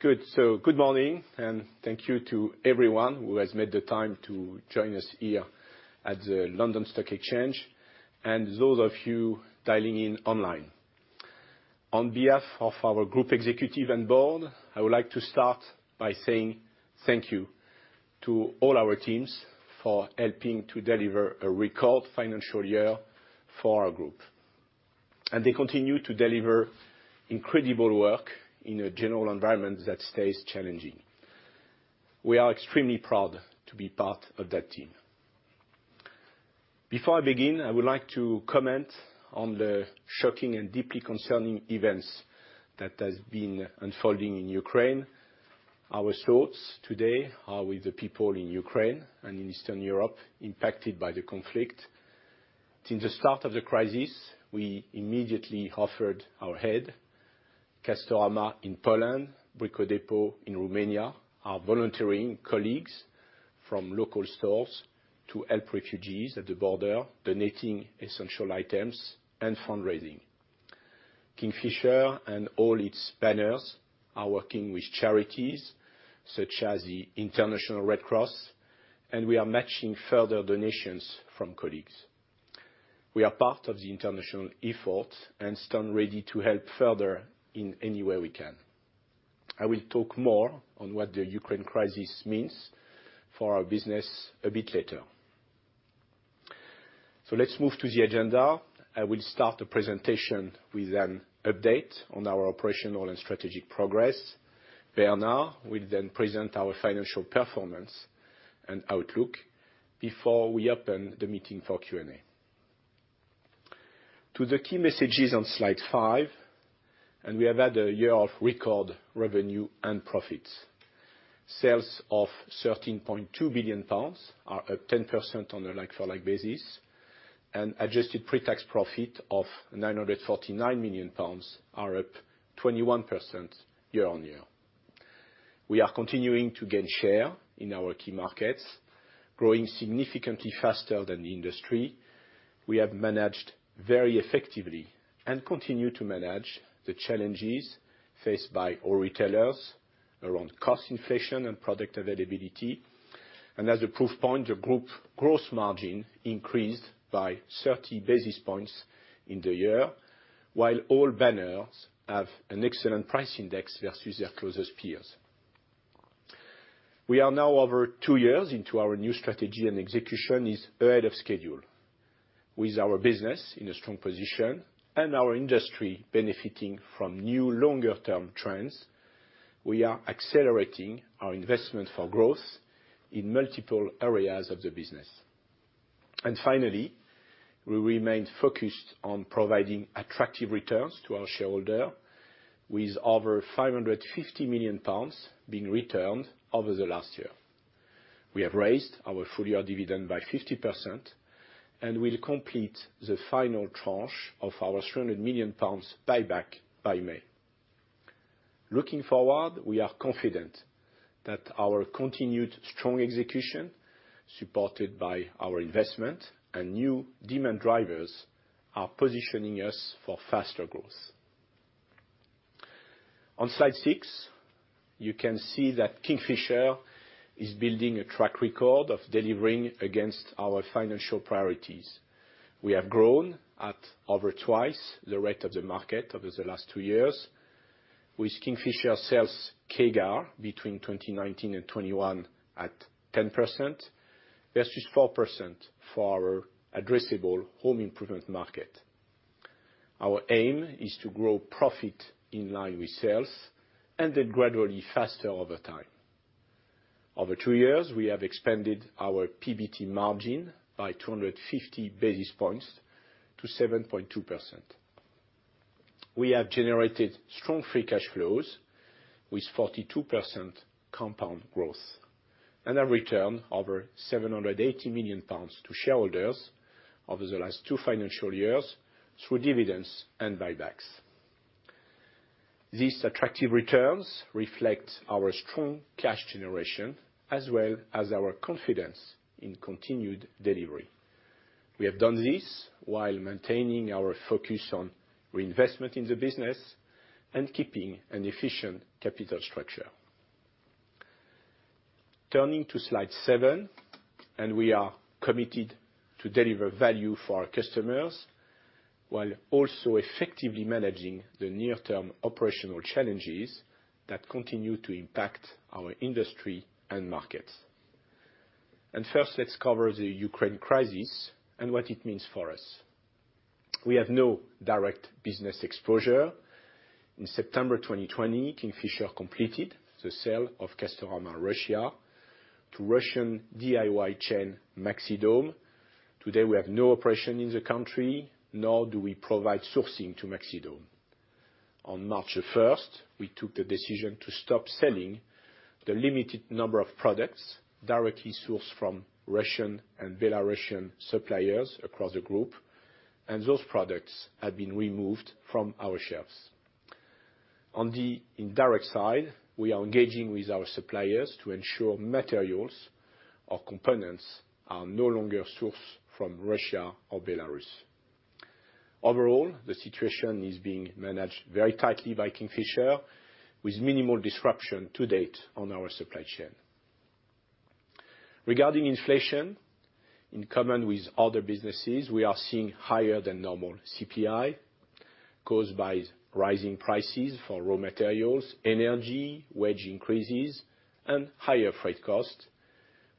Good morning and thank you to everyone who has made the time to join us here at the London Stock Exchange, and those of you dialing in online. On behalf of our group executive and board, I would like to start by saying thank you to all our teams for helping to deliver a record financial year for our group. They continue to deliver incredible work in a generally challenging environment. We are extremely proud to be part of that team. Before I begin, I would like to comment on the shocking and deeply concerning events that has been unfolding in Ukraine. Our thoughts today are with the people in Ukraine and in Eastern Europe impacted by the conflict. Since the start of the crisis, we immediately offered our help. Castorama in Poland, Brico Dépôt in Romania are volunteering colleagues from local stores to help refugees at the border, donating essential items and fundraising. Kingfisher and all its banners are working with charities such as the International Red Cross, and we are matching further donations from colleagues. We are part of the international effort and stand ready to help further in any way we can. I will talk more on what the Ukraine crisis means for our business a bit later. Let's move to the agenda. I will start the presentation with an update on our operational and strategic progress. Bernard will then present our financial performance and outlook before we open the meeting for Q&A. To the key messages on Slide five, and we have had a year of record revenue and profits. Sales of 13.2 billion pounds are up 10% on a like-for-like basis, and adjusted pre-tax profit of 949 million pounds are up 21% year-on-year. We are continuing to gain share in our key markets, growing significantly faster than the industry. We have managed very effectively and continue to manage the challenges faced by all retailers around cost inflation and product availability. As a proof point, the group gross margin increased by 30 basis points in the year, while all banners have an excellent price index versus their closest peers. We are now over 2 years into our new strategy, and execution is ahead of schedule. With our business in a strong position and our industry benefiting from new longer-term trends, we are accelerating our investment for growth in multiple areas of the business. Finally, we remain focused on providing attractive returns to our shareholder, with over 550 million pounds being returned over the last year. We have raised our full-year dividend by 50% and will complete the final tranche of our 200 million pounds buyback by May. Looking forward, we are confident that our continued strong execution, supported by our investment and new demand drivers, are positioning us for faster growth. On Slide six, you can see that Kingfisher is building a track record of delivering against our financial priorities. We have grown at over twice the rate of the market over the last two years, with Kingfisher sales CAGR between 2019 and 2021 at 10% versus 4% for our addressable home improvement market. Our aim is to grow profit in line with sales and then gradually faster over time. Over two years, we have expanded our PBT margin by 250 basis points to 7.2%. We have generated strong free cash flows with 42% compound growth and have returned over 780 million pounds to shareholders over the last two financial years through dividends and buybacks. These attractive returns reflect our strong cash generation as well as our confidence in continued delivery. We have done this while maintaining our focus on reinvestment in the business and keeping an efficient capital structure. Turning to Slide seven, we are committed to deliver value for our customers while also effectively managing the near-term operational challenges that continue to impact our industry and markets. First, let's cover the Ukraine crisis and what it means for us. We have no direct business exposure. In September 2020, Kingfisher completed the sale of Castorama Russia to Russian DIY chain Maxidom. Today, we have no operation in the country, nor do we provide sourcing to Maxidom. On March 1, we took the decision to stop selling the limited number of products directly sourced from Russian and Belarusian suppliers across the group, and those products have been removed from our shelves. On the indirect side, we are engaging with our suppliers to ensure materials or components are no longer sourced from Russia or Belarus. Overall, the situation is being managed very tightly by Kingfisher with minimal disruption to date on our supply chain. Regarding inflation, in common with other businesses, we are seeing higher than normal CPI caused by rising prices for raw materials, energy, wage increases, and higher freight costs.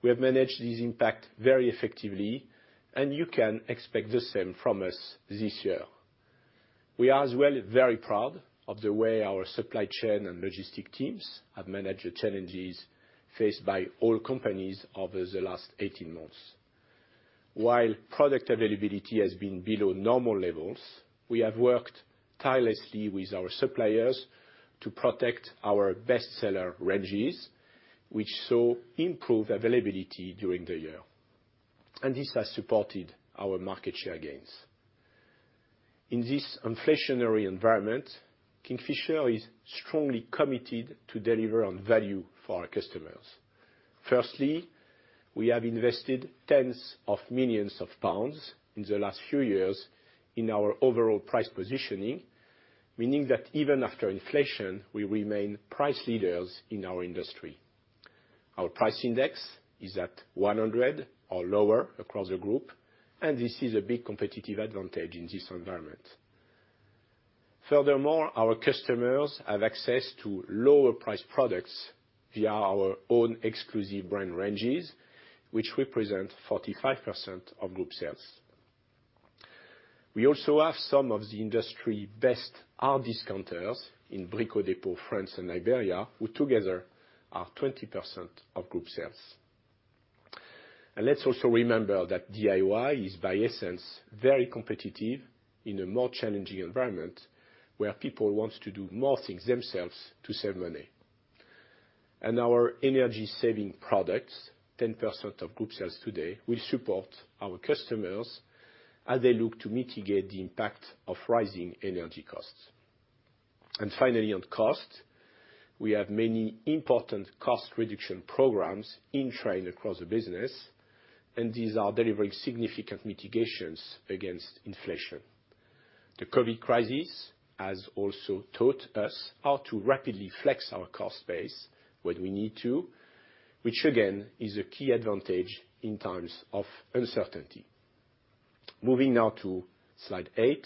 We have managed this impact very effectively, and you can expect the same from us this year. We are as well very proud of the way our supply chain and logistic teams have managed the challenges faced by all companies over the last 18 months. While product availability has been below normal levels, we have worked tirelessly with our suppliers to protect our bestseller ranges, which saw improved availability during the year, and this has supported our market share gains. In this inflationary environment, Kingfisher is strongly committed to deliver on value for our customers. Firstly, we have invested tens of millions of GBP in the last few years in our overall price positioning, meaning that even after inflation, we remain price leaders in our industry. Our price index is at 100 or lower across the group, and this is a big competitive advantage in this environment. Furthermore, our customers have access to lower price products via our own exclusive brand ranges, which represent 45% of group sales. We also have some of the industry best hard discounters in Brico Dépôt, France and Iberia, who together are 20% of group sales. Let's also remember that DIY is, by essence, very competitive in a more challenging environment where people want to do more things themselves to save money. Our energy saving products, 10% of group sales today, will support our customers as they look to mitigate the impact of rising energy costs. Finally, on cost, we have many important cost reduction programs in train across the business, and these are delivering significant mitigations against inflation. The COVID crisis has also taught us how to rapidly flex our cost base when we need to, which again, is a key advantage in times of uncertainty. Moving now to Slide eight.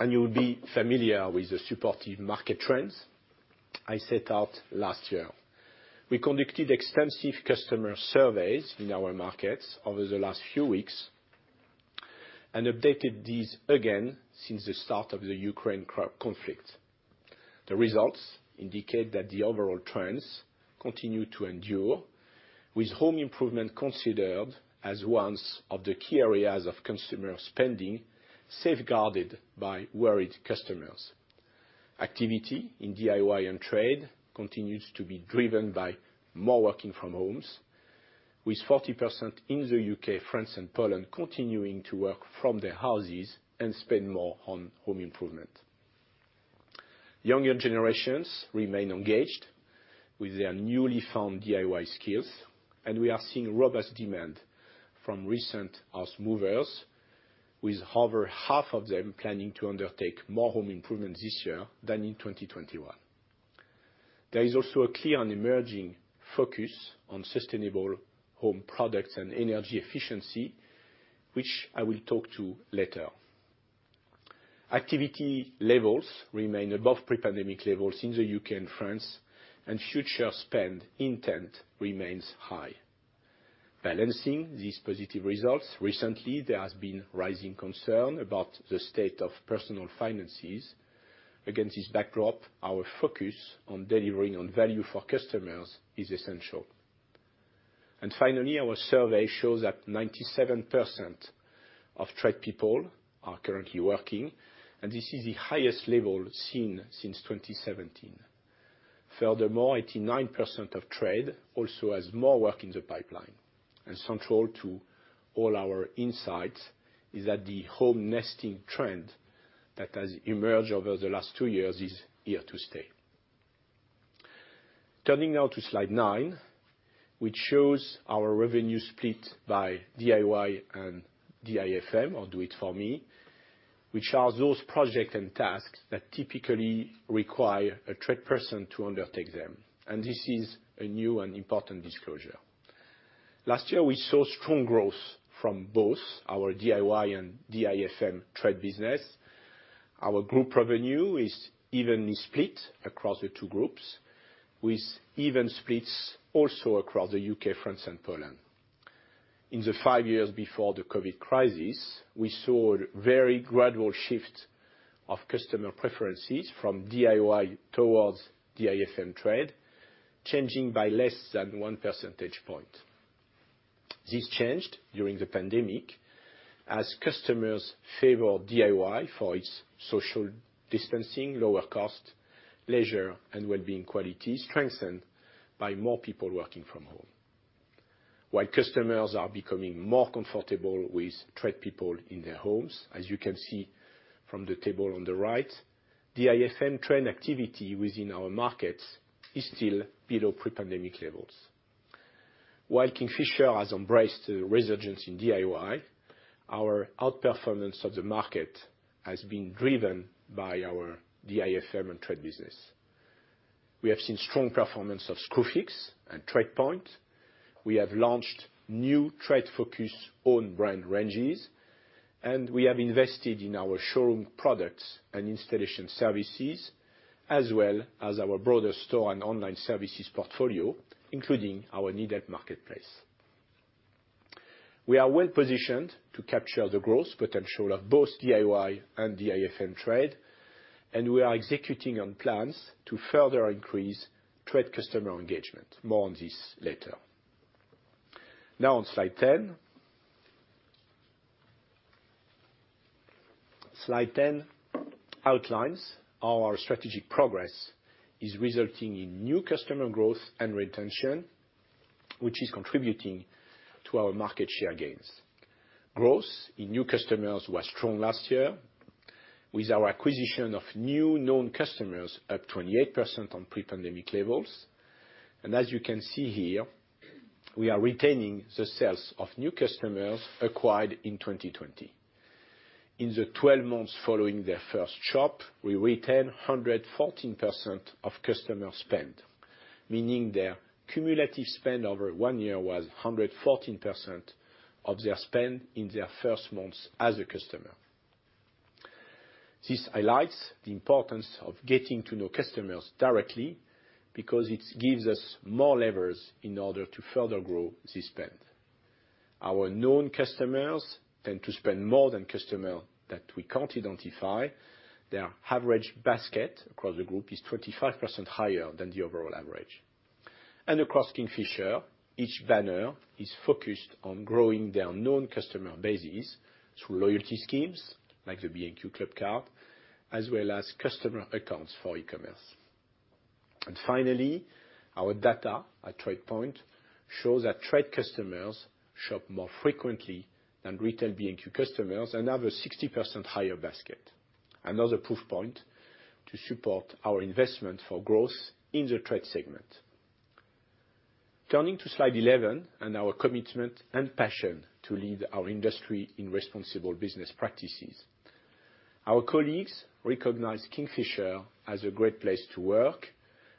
You'll be familiar with the supportive market trends I set out last year. We conducted extensive customer surveys in our markets over the last few weeks and updated these again since the start of the Ukraine conflict. The results indicate that the overall trends continue to endure, with home improvement considered as one of the key areas of consumer spending safeguarded by worried customers. Activity in DIY and trade continues to be driven by more working from homes, with 40% in the U.K., France and Poland continuing to work from their houses and spend more on home improvement. Younger generations remain engaged with their newly found DIY skills, and we are seeing robust demand from recent house movers, with over half of them planning to undertake more home improvements this year than in 2021. There is also a clear and emerging focus on sustainable home products and energy efficiency, which I will talk to later. Activity levels remain above pre-pandemic levels in the U.K. and France, and future spend intent remains high. Balancing these positive results, recently there has been rising concern about the state of personal finances. Against this backdrop, our focus on delivering on value for customers is essential. Finally, our survey shows that 97% of tradespeople are currently working, and this is the highest level seen since 2017. Furthermore, 89% of tradespeople also have more work in the pipeline. Central to all our insights is that the home nesting trend that has emerged over the last two years is here to stay. Turning now to Slide nine, which shows our revenue split by DIY and DIFM, or Do It For Me, which are those projects and tasks that typically require a trade person to undertake them, and this is a new and important disclosure. Last year, we saw strong growth from both our DIY and DIFM trade business. Our group revenue is evenly split across the two groups, with even splits also across the U.K., France and Poland. In the five years before the Covid crisis, we saw a very gradual shift of customer preferences from DIY towards DIFM trade, changing by less than one percentage point. This changed during the pandemic as customers favored DIY for its social distancing, lower cost, leisure and well-being qualities strengthened by more people working from home. While customers are becoming more comfortable with trade people in their homes, as you can see from the table on the right. The DIFM trend activity within our markets is still below pre-pandemic levels. While Kingfisher has embraced a resurgence in DIY, our outperformance of the market has been driven by our DIFM and trade business. We have seen strong performance of Screwfix and TradePoint. We have launched new trade focus own brand ranges, and we have invested in our showroom products and installation services, as well as our broader store and online services portfolio, including our NeedHelp marketplace. We are well-positioned to capture the growth potential of both DIY and DIFM trade, and we are executing on plans to further increase trade customer engagement. More on this later. Now on Slide 10. Slide 10 outlines our strategic progress, is resulting in new customer growth and retention, which is contributing to our market share gains. Growth in new customers was strong last year, with our acquisition of new known customers up 28% on pre-pandemic levels. As you can see here, we are retaining the sales of new customers acquired in 2020. In the 12 months following their first shop, we retain 114% of customer spend, meaning their cumulative spend over one year was 114% of their spend in their first months as a customer. This highlights the importance of getting to know customers directly because it gives us more levers in order to further grow the spend. Our known customers tend to spend more than customer that we can't identify. Their average basket across the group is 25% higher than the overall average. Across Kingfisher, each banner is focused on growing their known customer bases through loyalty schemes, like the B&Q Club card, as well as customer accounts for e-commerce. Finally, our data at TradePoint shows that trade customers shop more frequently than retail B&Q customers, another 60% higher basket. Another proof point to support our investment for growth in the trade segment. Turning to Slide 11 and our commitment and passion to lead our industry in responsible business practices. Our colleagues recognize Kingfisher as a great place to work,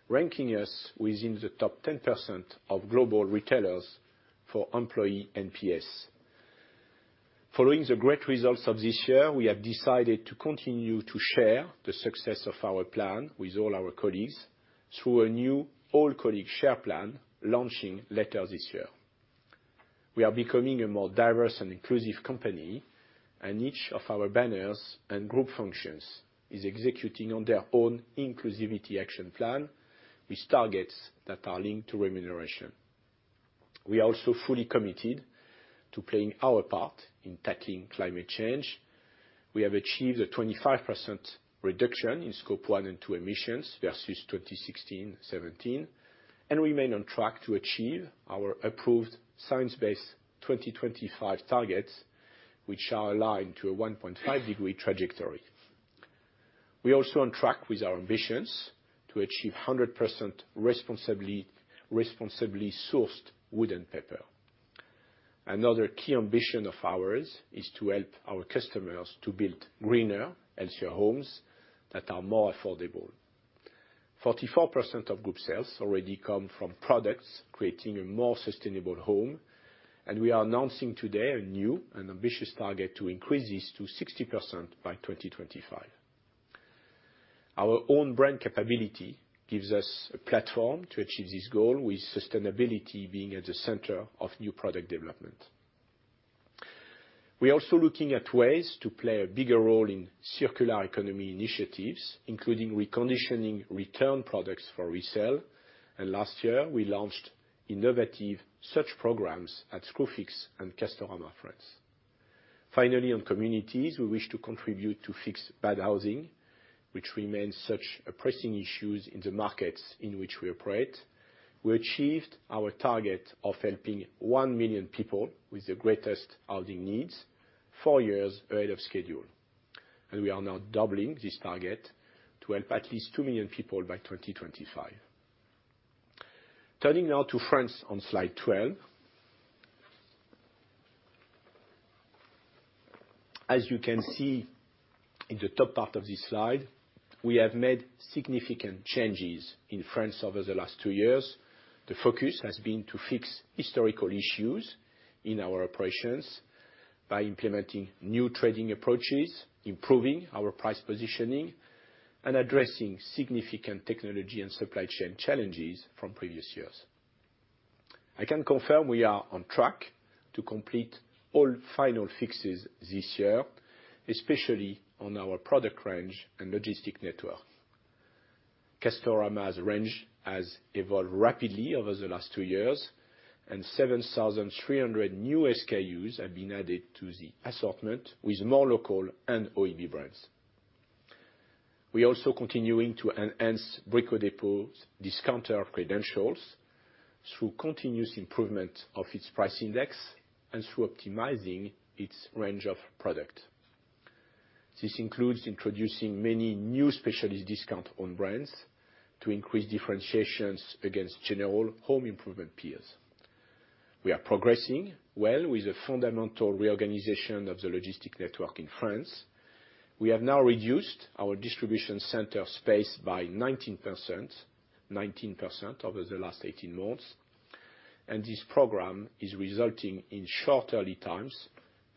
ranking us within the top 10% of global retailers for employee NPS. Following the great results of this year, we have decided to continue to share the success of our plan with all our colleagues through a new all-colleague share plan launching later this year. We are becoming a more diverse and inclusive company, and each of our banners and group functions is executing on their own inclusivity action plan with targets that are linked to remuneration. We are also fully committed to playing our part in tackling climate change. We have achieved a 25% reduction in Scope 1 and 2 emissions versus 2016-2017, and remain on track to achieve our approved science-based 2025 targets, which are aligned to a 1.5-degree trajectory. We're also on track with our ambitions to achieve 100% responsibly sourced wood and paper. Another key ambition of ours is to help our customers to build greener, healthier homes that are more affordable. 44% of group sales already come from products creating a more sustainable home, and we are announcing today a new and ambitious target to increase this to 60% by 2025. Our own brand capability gives us a platform to achieve this goal, with sustainability being at the center of new product development. We're also looking at ways to play a bigger role in circular economy initiatives, including reconditioning return products for resale. Last year, we launched innovative search programs at Screwfix and Castorama France. Finally, on communities, we wish to contribute to fix bad housing, which remains such a pressing issues in the markets in which we operate. We achieved our target of helping 1 million people with the greatest housing needs 4 years ahead of schedule, and we are now doubling this target to help at least 2 million people by 2025. Turning now to France on Slide 12. As you can see in the top part of this slide, we have made significant changes in France over the last 2 years. The focus has been to fix historical issues in our operations by implementing new trading approaches, improving our price positioning, and addressing significant technology and supply chain challenges from previous years. I can confirm we are on track to complete all final fixes this year, especially on our product range and logistics network. Castorama's range has evolved rapidly over the last 2 years, and 7,300 new SKUs have been added to the assortment with more local and OEB brands. We're also continuing to enhance Brico Dépôt discounter credentials. Through continuous improvement of its price index and through optimizing its range of products. This includes introducing many new specialist discounts on brands to increase differentiation against general home improvement peers. We are progressing well with the fundamental reorganization of the logistics network in France. We have now reduced our distribution center space by 19%, 19% over the last 18 months, and this program is resulting in shorter lead times,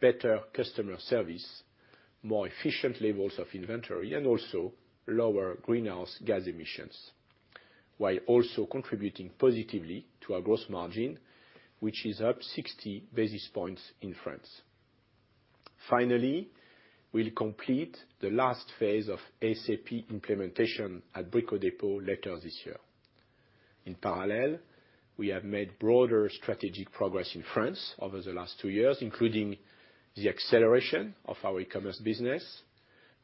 better customer service, more efficient levels of inventory, and also lower greenhouse gas emissions, while also contributing positively to our gross margin, which is up 60 basis points in France. Finally, we'll complete the last phase of SAP implementation at Brico Dépôt later this year. In parallel, we have made broader strategic progress in France over the last two years, including the acceleration of our e-commerce business,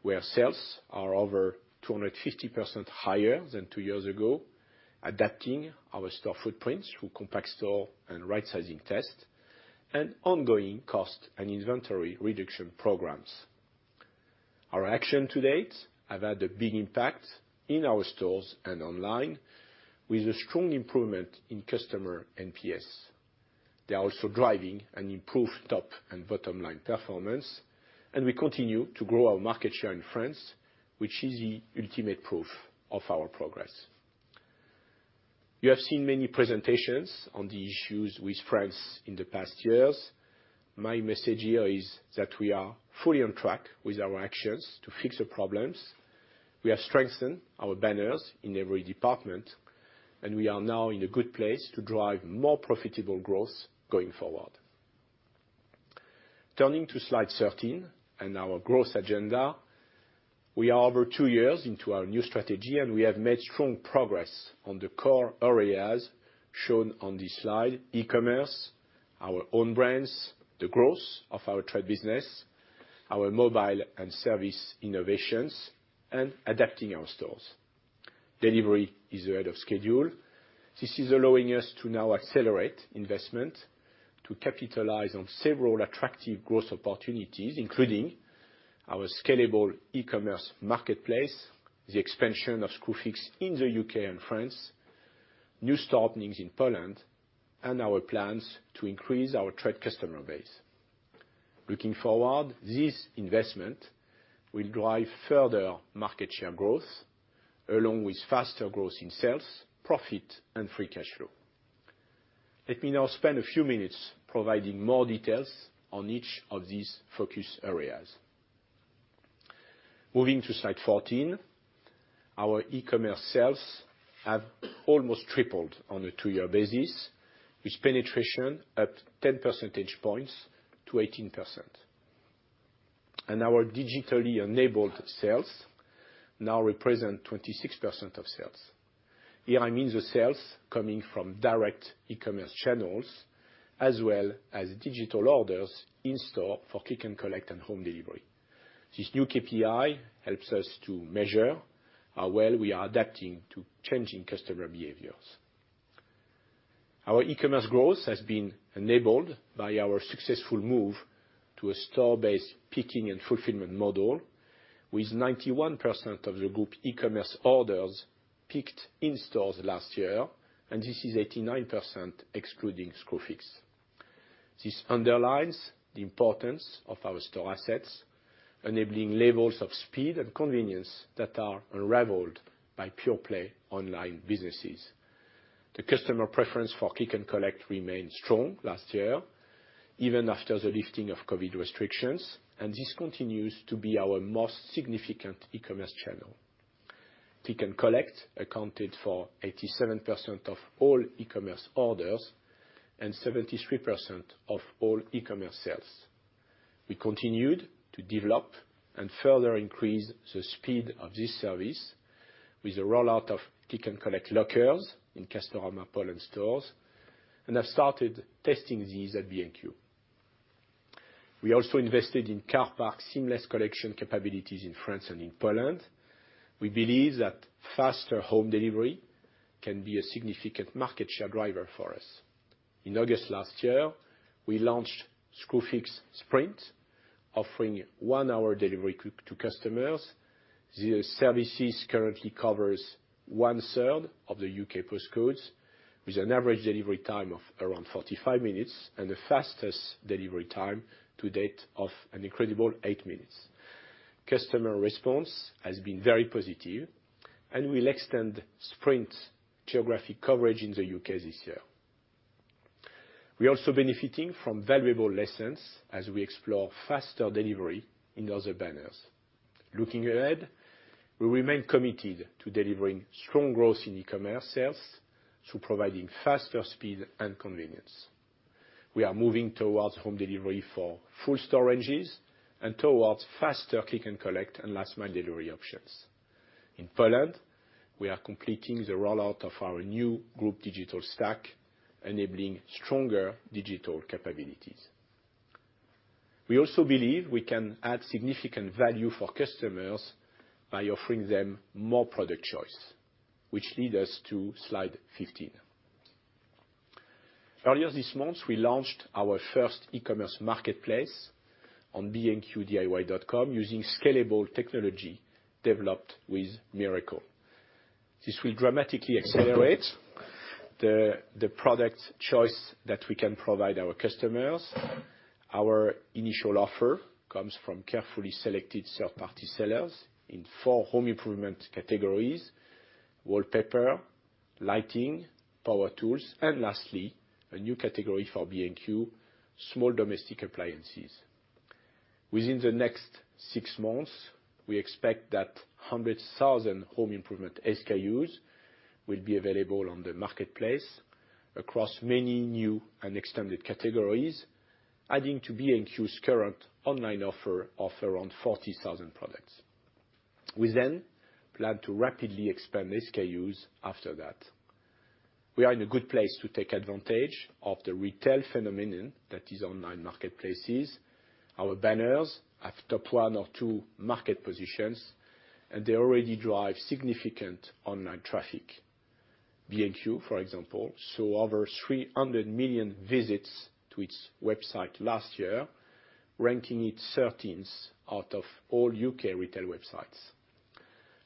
where sales are over 250% higher than two years ago, adapting our store footprints through compact store and rightsizing tests, and ongoing cost and inventory reduction programs. Our action to date have had a big impact in our stores and online with a strong improvement in customer NPS. They are also driving an improved top and bottom line performance, and we continue to grow our market share in France, which is the ultimate proof of our progress. You have seen many presentations on the issues with France in the past years. My message here is that we are fully on track with our actions to fix the problems. We have strengthened our banners in every department, and we are now in a good place to drive more profitable growth going forward. Turning to Slide 13 and our growth agenda. We are over 2 years into our new strategy, and we have made strong progress on the core areas shown on this slide, e-commerce, our own brands, the growth of our trade business, our mobile and service innovations, and adapting our stores. Delivery is ahead of schedule. This is allowing us to now accelerate investment to capitalize on several attractive growth opportunities, including our scalable e-commerce marketplace, the expansion of Screwfix in the U.K. and France, new store openings in Poland, and our plans to increase our Trade customer base. Looking forward, this investment will drive further market share growth along with faster growth in sales, profit and free cash flow. Let me now spend a few minutes providing more details on each of these focus areas. Moving to Slide 14. Our e-commerce sales have almost tripled on a two-year basis, with penetration up 10 percentage points to 18%. Our digitally enabled sales now represent 26% of sales. Here I mean the sales coming from direct e-commerce channels as well as digital orders in store for click and collect and home delivery. This new KPI helps us to measure how well we are adapting to changing customer behaviors. Our e-commerce growth has been enabled by our successful move to a store-based picking and fulfillment model, with 91% of the group e-commerce orders picked in stores last year, and this is 89% excluding Screwfix. This underlines the importance of our store assets, enabling levels of speed and convenience that are unraveled by pure play online businesses. The customer preference for click and collect remained strong last year, even after the lifting of COVID restrictions, and this continues to be our most significant e-commerce channel. Click and collect accounted for 87% of all e-commerce orders and 73% of all e-commerce sales. We continued to develop and further increase the speed of this service with the rollout of click and collect lockers in Castorama Polska stores and have started testing these at B&Q. We also invested in car park seamless collection capabilities in France and in Poland. We believe that faster home delivery can be a significant market share driver for us. In August last year, we launched Screwfix Sprint, offering one-hour delivery to customers. The services currently covers 1/3 of the U.K. postcodes with an average delivery time of around 45 minutes and the fastest delivery time to date of an incredible 8 minutes. Customer response has been very positive and will extend Sprint geographic coverage in the U.K. this year. We're also benefiting from valuable lessons as we explore faster delivery in other banners. Looking ahead, we remain committed to delivering strong growth in e-commerce sales through providing faster speed and convenience. We are moving towards home delivery for full storages and towards faster click and collect and last mile delivery options. In Poland, we are completing the rollout of our new group digital stack, enabling stronger digital capabilities. We also believe we can add significant value for customers by offering them more product choice, which lead us to Slide 15. Earlier this month, we launched our first e-commerce marketplace on b&q diy.com using scalable technology developed with Mirakl. This will dramatically accelerate the product choice that we can provide our customers. Our initial offer comes from carefully selected third-party sellers in four home improvement categories, wallpaper, lighting, power tools, and lastly, a new category for B&Q, small domestic appliances. Within the next six months, we expect that 100,000 home improvement SKUs will be available on the marketplace across many new and extended categories, adding to B&Q's current online offer of around 40,000 products. We then plan to rapidly expand SKUs after that. We are in a good place to take advantage of the retail phenomenon that is online marketplaces. Our banners have top one or two market positions, and they already drive significant online traffic. B&Q, for example, saw over 300 million visits to its website last year, ranking it 13th out of all U.K. retail websites.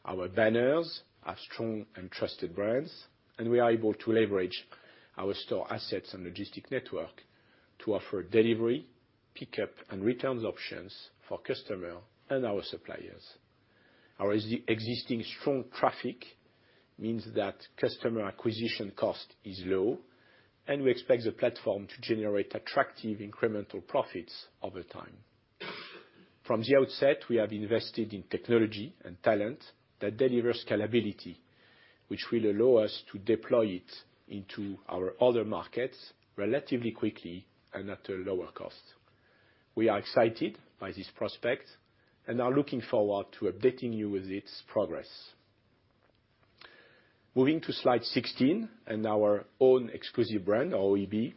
Our banners are strong and trusted brands, and we are able to leverage our store assets and logistics network to offer delivery, pickup, and returns options for customers and our suppliers. Our existing strong traffic means that customer acquisition cost is low, and we expect the platform to generate attractive incremental profits over time. From the outset, we have invested in technology and talent that delivers scalability, which will allow us to deploy it into our other markets relatively quickly and at a lower cost. We are excited by this prospect and are looking forward to updating you with its progress. Moving to Slide 16 and our Own Exclusive Brand, OEB.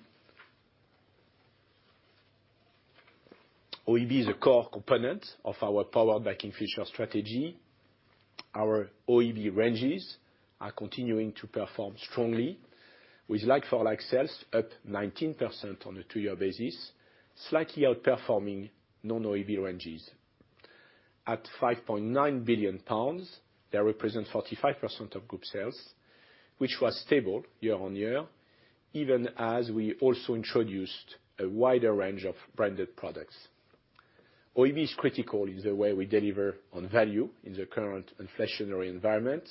OEB is a core component of our Powered by Kingfisher strategy. Our OEB ranges are continuing to perform strongly with like-for-like sales up 19% on a two-year basis, slightly outperforming non-OEB ranges. At 5.9 billion pounds, they represent 45% of group sales, which was stable year-on-year, even as we also introduced a wider range of branded products. OEB is critical in the way we deliver on value in the current inflationary environment.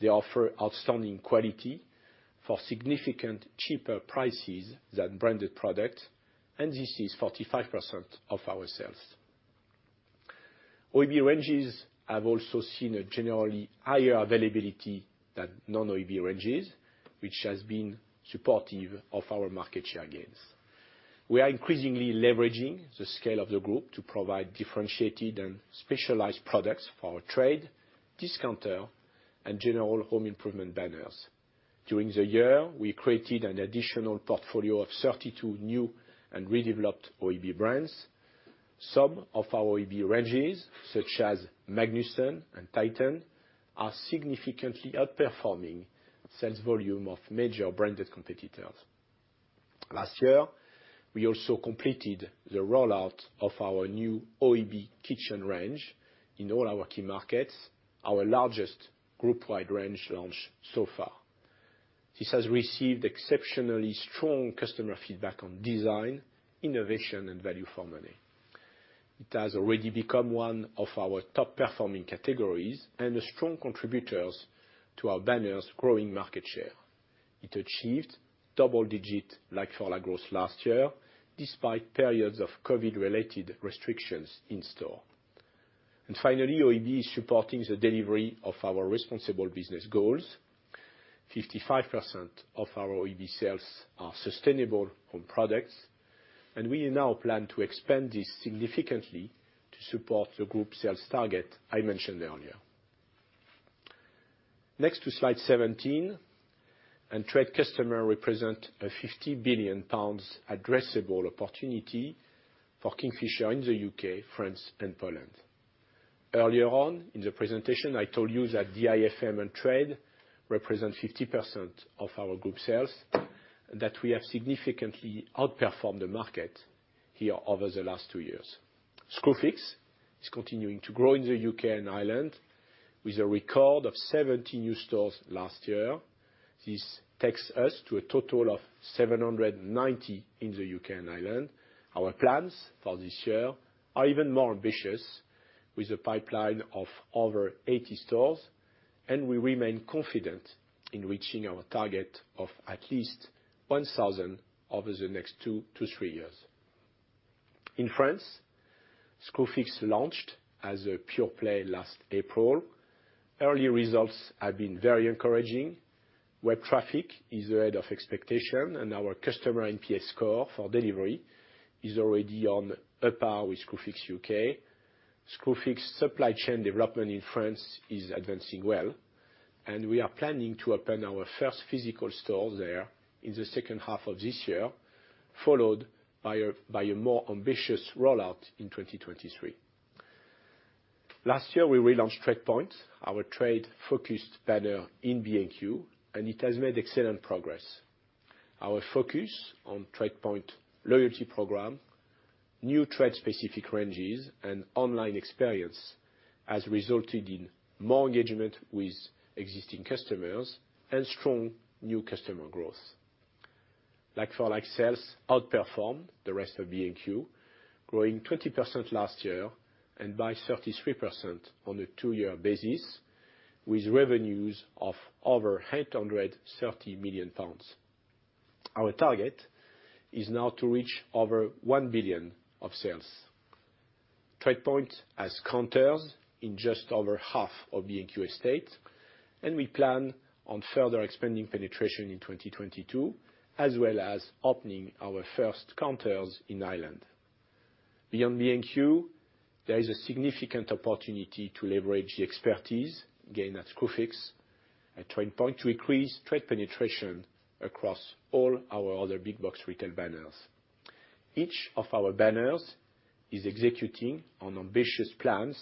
They offer outstanding quality for significantly cheaper prices than branded product, and this is 45% of our sales. OEB ranges have also seen a generally higher availability than non-OEB ranges, which has been supportive of our market share gains. We are increasingly leveraging the scale of the group to provide differentiated and specialized products for our trade, discounter, and general home improvement banners. During the year, we created an additional portfolio of 32 new and redeveloped OEB brands. Some of our OEB ranges, such as Magnusson and Titan, are significantly outperforming sales volume of major branded competitors. Last year, we also completed the rollout of our new OEB kitchen range in all our key markets, our largest group-wide range launch so far. This has received exceptionally strong customer feedback on design, innovation, and value for money. It has already become one of our top-performing categories and a strong contributor to our banners growing market share. It achieved double-digit like-for-like growth last year, despite periods of COVID-related restrictions in store. Finally, OEB is supporting the delivery of our responsible business goals. 55% of our OEB sales are sustainable home products, and we now plan to expand this significantly to support the group sales target I mentioned earlier. Next, to Slide 17, trade customers represent a 50 billion pounds addressable opportunity for Kingfisher in the U.K., France, and Poland. Earlier on in the presentation, I told you that DIFM and trade represent 50% of our group sales, that we have significantly outperformed the market here over the last two years. Screwfix is continuing to grow in the U.K. and Ireland with a record of 70 new stores last year. This takes us to a total of 790 in the U.K. and Ireland. Our plans for this year are even more ambitious with a pipeline of over 80 stores, and we remain confident in reaching our target of at least 1,000 over the next two to three years. In France, Screwfix launched as a pure play last April. Early results have been very encouraging. Web traffic is ahead of expectation, and our customer NPS score for delivery is already on par with Screwfix UK. Screwfix supply chain development in France is advancing well, and we are planning to open our first physical store there in the second half of this year, followed by a more ambitious rollout in 2023. Last year, we relaunched TradePoint, our trade-focused banner in B&Q, and it has made excellent progress. Our focus on TradePoint loyalty program, new trade specific ranges, and online experience has resulted in more engagement with existing customers and strong new customer growth. Like-for-like sales outperformed the rest of B&Q, growing 20% last year and by 33% on a two-year basis, with revenues of over 830 million pounds. Our target is now to reach over 1 billion of sales. TradePoint has counters in just over half of B&Q estate, and we plan on further expanding penetration in 2022, as well as opening our first counters in Ireland. Beyond B&Q, there is a significant opportunity to leverage the expertise gained at Screwfix and TradePoint to increase trade penetration across all our other big box retail banners. Each of our banners is executing on ambitious plans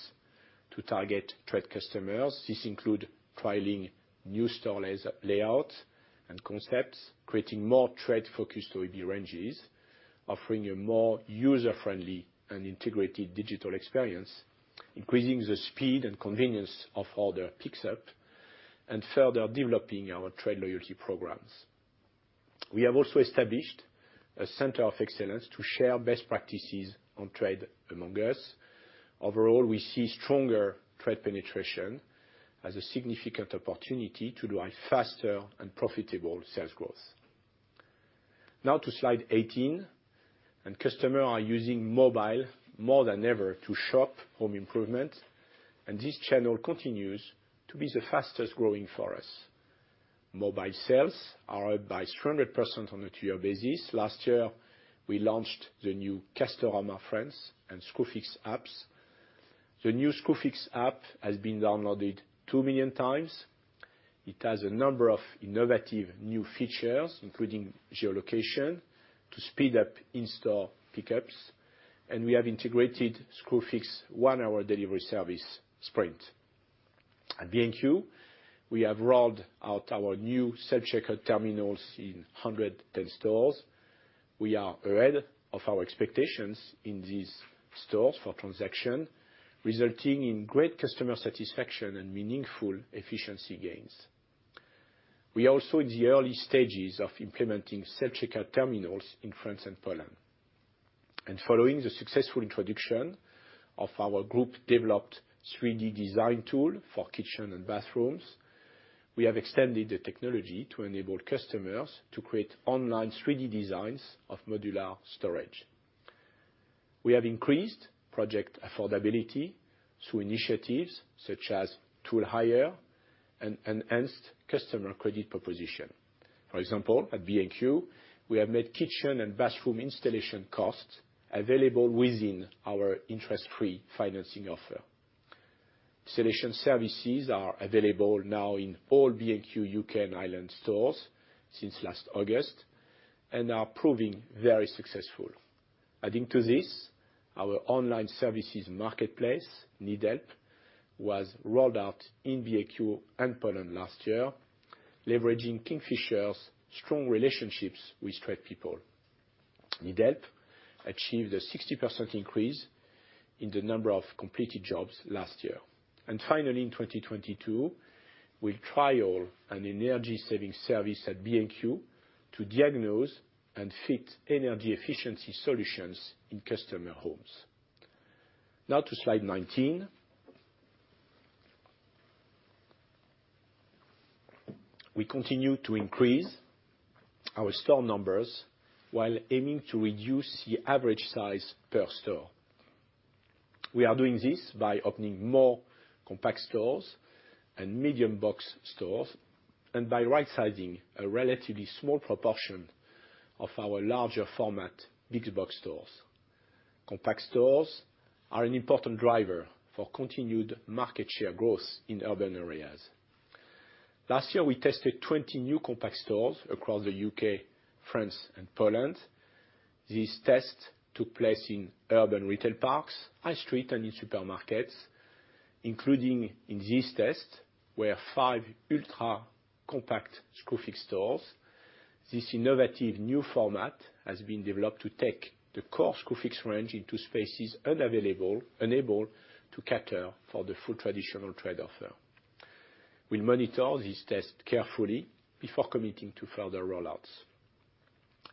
to target trade customers. This include trialing new store layout and concepts, creating more trade-focused OEB ranges, offering a more user-friendly and integrated digital experience, increasing the speed and convenience of order pickups, and further developing our trade loyalty programs. We have also established a center of excellence to share best practices on trade among us. Overall, we see stronger trade penetration as a significant opportunity to drive faster and profitable sales growth. Now to Slide 18. Customers are using mobile more than ever to shop home improvement, and this channel continues to be the fastest growing for us. Mobile sales are up by 200% on a two-year basis. Last year, we launched the new Castorama France and Screwfix apps. The new Screwfix app has been downloaded 2 million times. It has a number of innovative new features, including geolocation to speed up in-store pickups, and we have integrated Screwfix one-hour delivery service, Sprint. At B&Q, we have rolled out our new self-checkout terminals in 110 stores. We are ahead of our expectations in these stores for transaction, resulting in great customer satisfaction and meaningful efficiency gains. We are also in the early stages of implementing self-checkout terminals in France and Poland. Following the successful introduction of our group-developed 3-D design tool for kitchen and bathrooms, we have extended the technology to enable customers to create online 3-D designs of modular storage. We have increased project affordability through initiatives such as tool hire and enhanced customer credit proposition. For example, at B&Q, we have made kitchen and bathroom installation costs available within our interest-free financing offer. Installation services are available now in all B&Q U.K. and Ireland stores since last August and are proving very successful. Adding to this, our online services marketplace, NeedHelp, was rolled out in B&Q and Poland last year, leveraging Kingfisher's strong relationships with trade people. NeedHelp achieved a 60% increase in the number of completed jobs last year. Finally, in 2022, we'll trial an energy-saving service at B&Q to diagnose and fit energy efficiency solutions in customer homes. Now to Slide 19. We continue to increase our store numbers while aiming to reduce the average size per store. We are doing this by opening more compact stores and medium box stores, and by right-sizing a relatively small proportion of our larger format big box stores. Compact stores are an important driver for continued market share growth in urban areas. Last year, we tested 20 new compact stores across the U.K., France, and Poland. These tests took place in urban retail parks, high street, and in supermarkets, including in this test were 5 ultra-compact Screwfix stores. This innovative new format has been developed to take the core Screwfix range into spaces unable to cater for the full traditional trade offer. We'll monitor this test carefully before committing to further rollouts.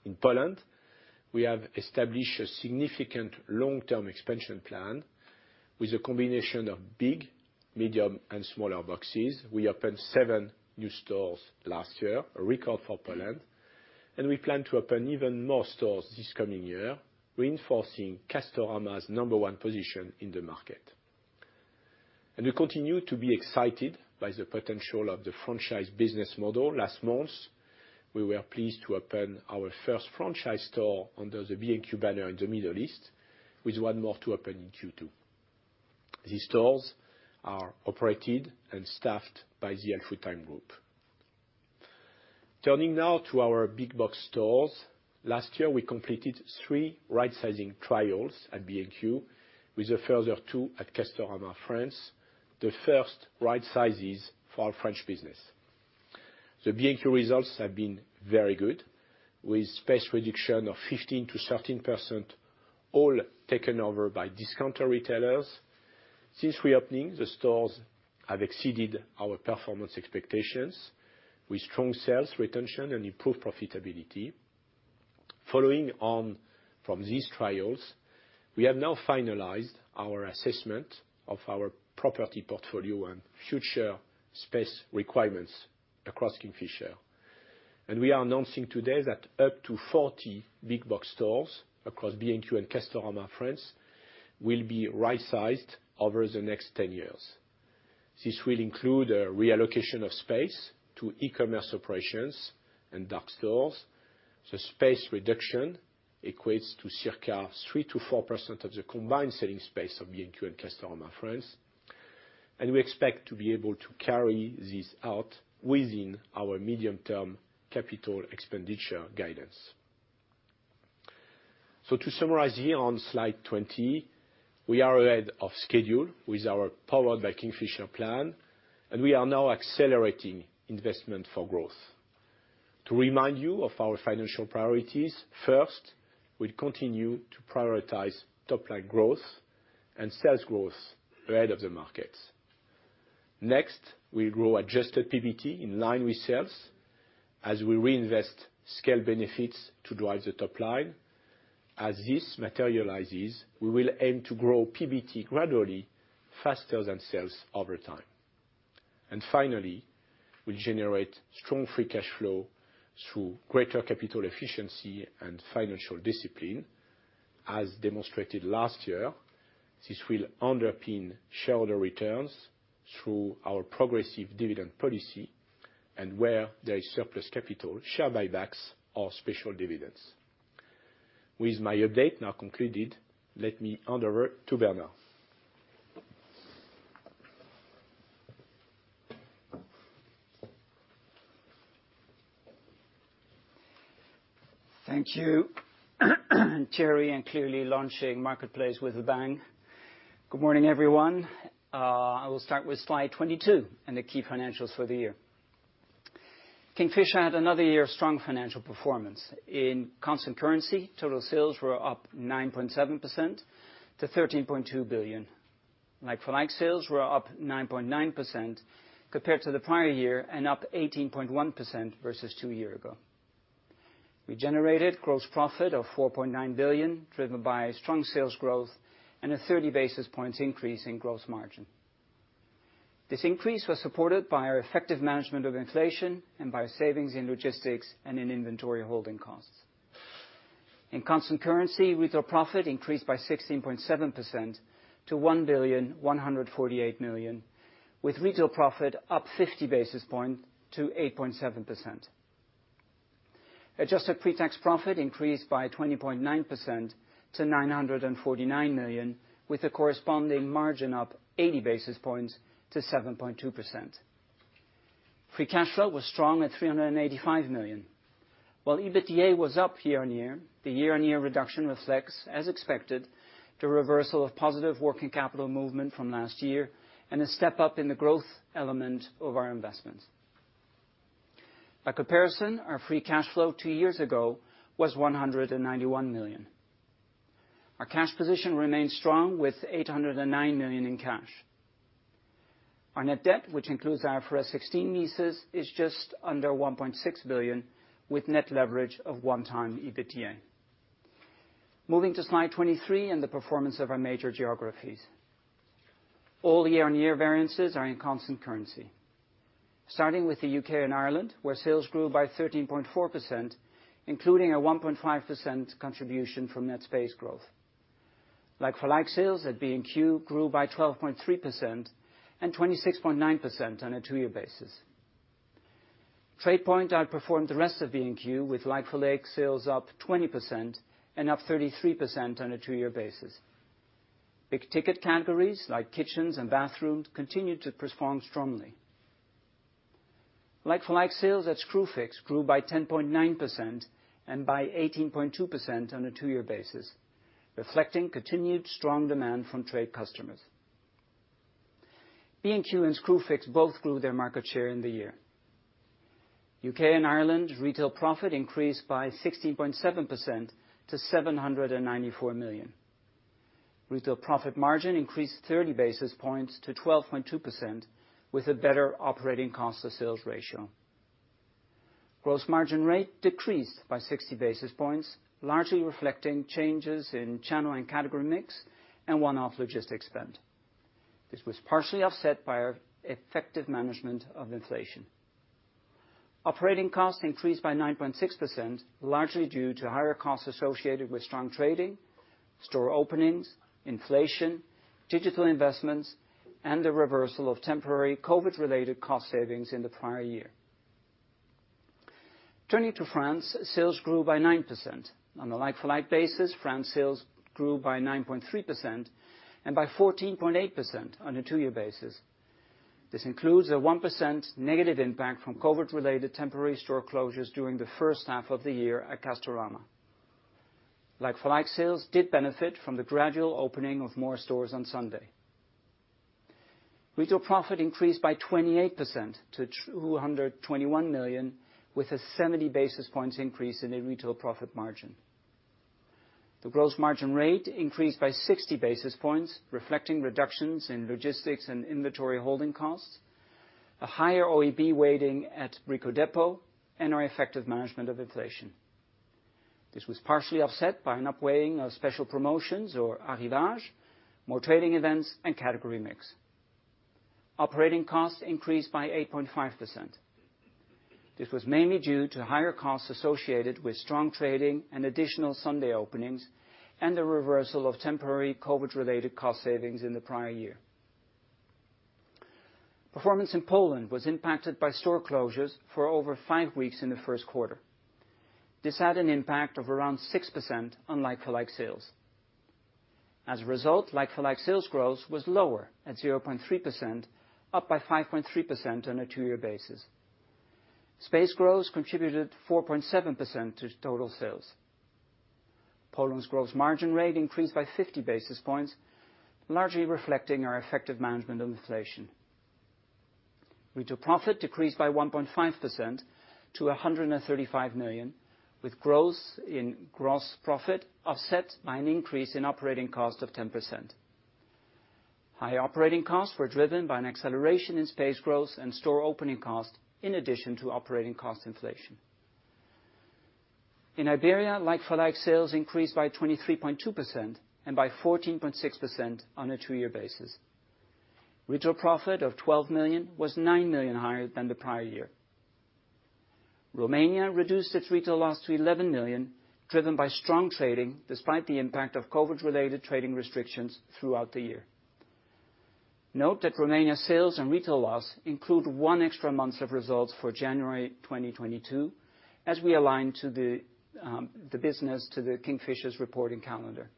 In Poland, we have established a significant long-term expansion plan with a combination of big, medium, and smaller boxes. We opened 7 new stores last year, a record for Poland, and we plan to open even more stores this coming year, reinforcing Castorama's number one position in the market. We continue to be excited by the potential of the franchise business model. Last month, we were pleased to open our first franchise store under the B&Q banner in the Middle East, with one more to open in Q2. These stores are operated and staffed by the Al-Futtaim Group. Turning now to our big box stores. Last year, we completed three rightsizing trials at B&Q, with a further two at Castorama France, the first right sizes for our French business. The B&Q results have been very good, with space reduction of 15%-13% all taken over by discount retailers. Since reopening, the stores have exceeded our performance expectations with strong sales retention and improved profitability. Following on from these trials, we have now finalized our assessment of our property portfolio and future space requirements across Kingfisher. We are announcing today that up to 40 big box stores across B&Q and Castorama France will be rightsized over the next 10 years. This will include a reallocation of space to e-commerce operations and dark stores. The space reduction equates to circa 3%-4% of the combined selling space of B&Q and Castorama France. We expect to be able to carry this out within our medium term capital expenditure guidance. To summarize here on Slide 20, we are ahead of schedule with our Powered by Kingfisher plan, and we are now accelerating investment for growth. To remind you of our financial priorities, first, we continue to prioritize top line growth and sales growth ahead of the markets. Next, we grow adjusted PBT in line with sales as we reinvest scale benefits to drive the top line. As this materializes, we will aim to grow PBT gradually faster than sales over time. Finally, we generate strong free cash flow through greater capital efficiency and financial discipline, as demonstrated last year. This will underpin shareholder returns through our progressive dividend policy, and where there is surplus capital, share buybacks or special dividends. With my update now concluded, let me hand over to Bernard. Thank you, Thierry, and clearly launching Marketplace with a bang. Good morning, everyone. I will start with Slide 22 and the key financials for the year. Kingfisher had another year of strong financial performance. In constant currency, total sales were up 9.7% to 13.2 billion. Like-for-like sales were up 9.9% compared to the prior year and up 18.1% versus two years ago. We generated gross profit of 4.9 billion, driven by strong sales growth and a 30 basis points increase in gross margin. This increase was supported by our effective management of inflation and by savings in logistics and in inventory holding costs. In constant currency, retail profit increased by 16.7% to 1.148 billion, with retail profit up 50 basis points to 8.7%. Adjusted pre-tax profit increased by 20.9% to 949 million, with a corresponding margin up 80 basis points to 7.2%. Free cash flow was strong at 385 million. While EBITDA was up year-on-year, the year-on-year reduction reflects, as expected, the reversal of positive working capital movement from last year and a step-up in the growth element of our investment. By comparison, our free cash flow two years ago was 191 million. Our cash position remains strong with 809 million in cash. Our net debt, which includes IFRS 16 leases, is just under 1.6 billion, with net leverage of 1x EBITDA. Moving to Slide 23 and the performance of our major geographies. All year-on-year variances are in constant currency. Starting with the U.K. and Ireland, where sales grew by 13.4%, including a 1.5% contribution from net space growth. Like-for-like sales at B&Q grew by 12.3% and 26.9% on a two-year basis. TradePoint outperformed the rest of B&Q with like-for-like sales up 20% and up 33% on a two-year basis. Big ticket categories like kitchens and bathrooms continued to perform strongly. Like-for-like sales at Screwfix grew by 10.9% and by 18.2% on a two-year basis, reflecting continued strong demand from trade customers. B&Q and Screwfix both grew their market share in the year. U.K. and Ireland retail profit increased by 16.7% to GBP 794 million. Retail profit margin increased 30 basis points to 12.2% with a better operating cost to sales ratio. Gross margin rate decreased by 60 basis points, largely reflecting changes in channel and category mix and one-off logistic spend. This was partially offset by our effective management of inflation. Operating costs increased by 9.6%, largely due to higher costs associated with strong trading, store openings, inflation, digital investments, and the reversal of temporary COVID related cost savings in the prior year. Turning to France, sales grew by 9%. On a like-for-like basis, France sales grew by 9.3% and by 14.8% on a two-year basis. This includes a 1% negative impact from COVID related temporary store closures during the first half of the year at Castorama. Like-for-like sales did benefit from the gradual opening of more stores on Sunday. Retail profit increased by 28% to 221 million, with a 70 basis points increase in a retail profit margin. The gross margin rate increased by 60 basis points, reflecting reductions in logistics and inventory holding costs, a higher OEB weighting at Brico Dépôt, and our effective management of inflation. This was partially offset by an up weighting of special promotions or arrivage, more trading events and category mix. Operating costs increased by 8.5%. This was mainly due to higher costs associated with strong trading and additional Sunday openings, and the reversal of temporary COVID-related cost savings in the prior year. Performance in Poland was impacted by store closures for over five weeks in the first quarter. This had an impact of around 6% on like-for-like sales. As a result, like-for-like sales growth was lower at 0.3%, up by 5.3% on a two-year basis. Space growth contributed 4.7% to total sales. Poland's gross margin rate increased by 50 basis points, largely reflecting our effective management of inflation. Retail profit decreased by 1.5% to 135 million, with growth in gross profit offset by an increase in operating cost of 10%. High operating costs were driven by an acceleration in space growth and store opening costs in addition to operating cost inflation. In Iberia, like-for-like sales increased by 23.2% and by 14.6% on a two-year basis. Retail profit of 12 million was 9 million higher than the prior year. Romania reduced its retail loss to 11 million, driven by strong trading despite the impact of COVID related trading restrictions throughout the year. Note that Romania sales and retail loss include 1 extra month of results for January 2022, as we align the business to the Kingfisher's reporting calendar.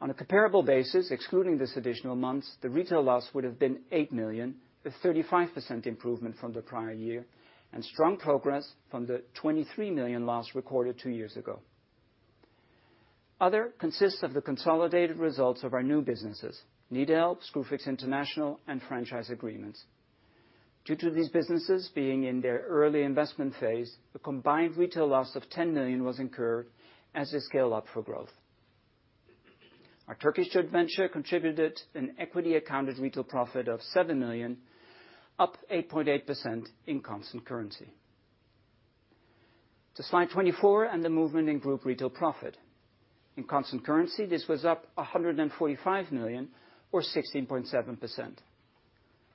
On a comparable basis, excluding this additional month, the retail loss would have been 8 million, a 35% improvement from the prior year, and strong progress from the 23 million loss recorded two years ago. Other consists of the consolidated results of our new businesses, NeedHelp, Screwfix International, and franchise agreements. Due to these businesses being in their early investment phase, a combined retail loss of 10 million was incurred as they scale up for growth. Our Turkish venture contributed an equity accounted retail profit of 7 million, up 8.8% in constant currency. To Slide 24 and the movement in group retail profit. In constant currency, this was up 145 million or 16.7%.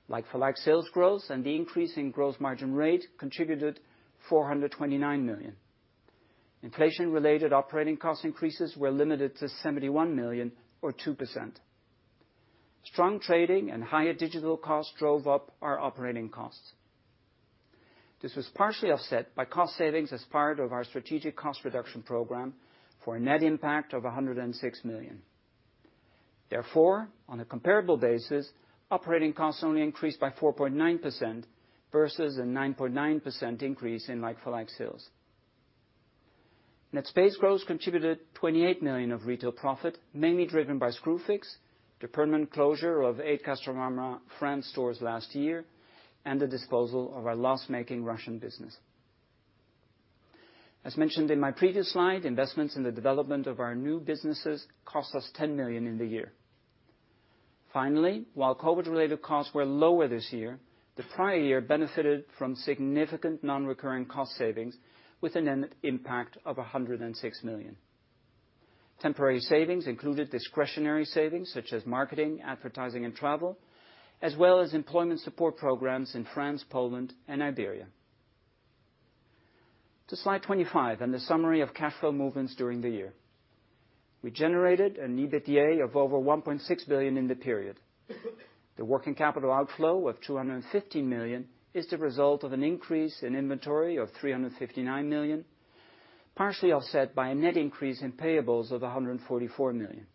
Like-for-like sales growth and the increase in gross margin rate contributed 429 million. Inflation-related operating cost increases were limited to 71 million or 2%. Strong trading and higher digital costs drove up our operating costs. This was partially offset by cost savings as part of our strategic cost reduction program for a net impact of 106 million. Therefore, on a comparable basis, operating costs only increased by 4.9% versus a 9.9% increase in like-for-like sales. Net space growth contributed 28 million of retail profit, mainly driven by Screwfix, the permanent closure of 8 Castorama France stores last year, and the disposal of our loss-making Russian business. As mentioned in my previous slide, investments in the development of our new businesses cost us GBP 10 million in the year. Finally, while COVID related costs were lower this year, the prior year benefited from significant non-recurring cost savings with a net net impact of 106 million. Temporary savings included discretionary savings such as marketing, advertising, and travel, as well as employment support programs in France, Poland, and Iberia. To Slide 25 and the summary of cash flow movements during the year. We generated an EBITDA of over 1.6 billion in the period. The working capital outflow of 215 million is the result of an increase in inventory of 359 million, partially offset by a net increase in payables of 144 million.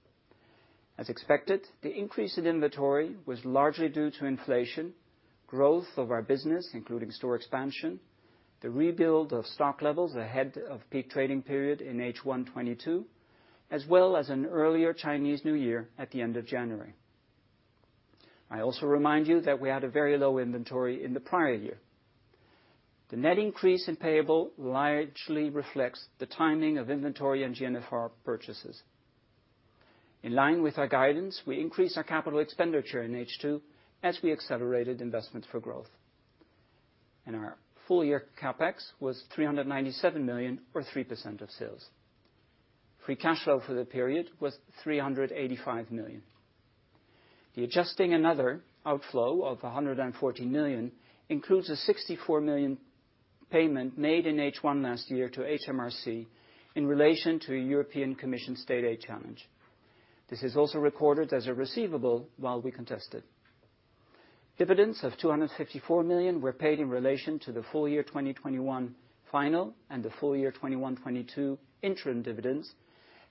As expected, the increase in inventory was largely due to inflation, growth of our business, including store expansion, the rebuild of stock levels ahead of peak trading period in H1 2022, as well as an earlier Chinese New Year at the end of January. I also remind you that we had a very low inventory in the prior year. The net increase in payables largely reflects the timing of inventory and GNFR purchases. In line with our guidance, we increased our capital expenditure in H2 as we accelerated investments for growth. Our full year CapEx was 397 million or 3% of sales. Free cash flow for the period was 385 million. The adjusting items and other outflow of 114 million includes a 64 million payment made in H1 last year to HMRC in relation to a European Commission state aid challenge. This is also recorded as a receivable while we contest it. Dividends of 254 million were paid in relation to the full year 2021 final and the full year 2021-2022 interim dividends,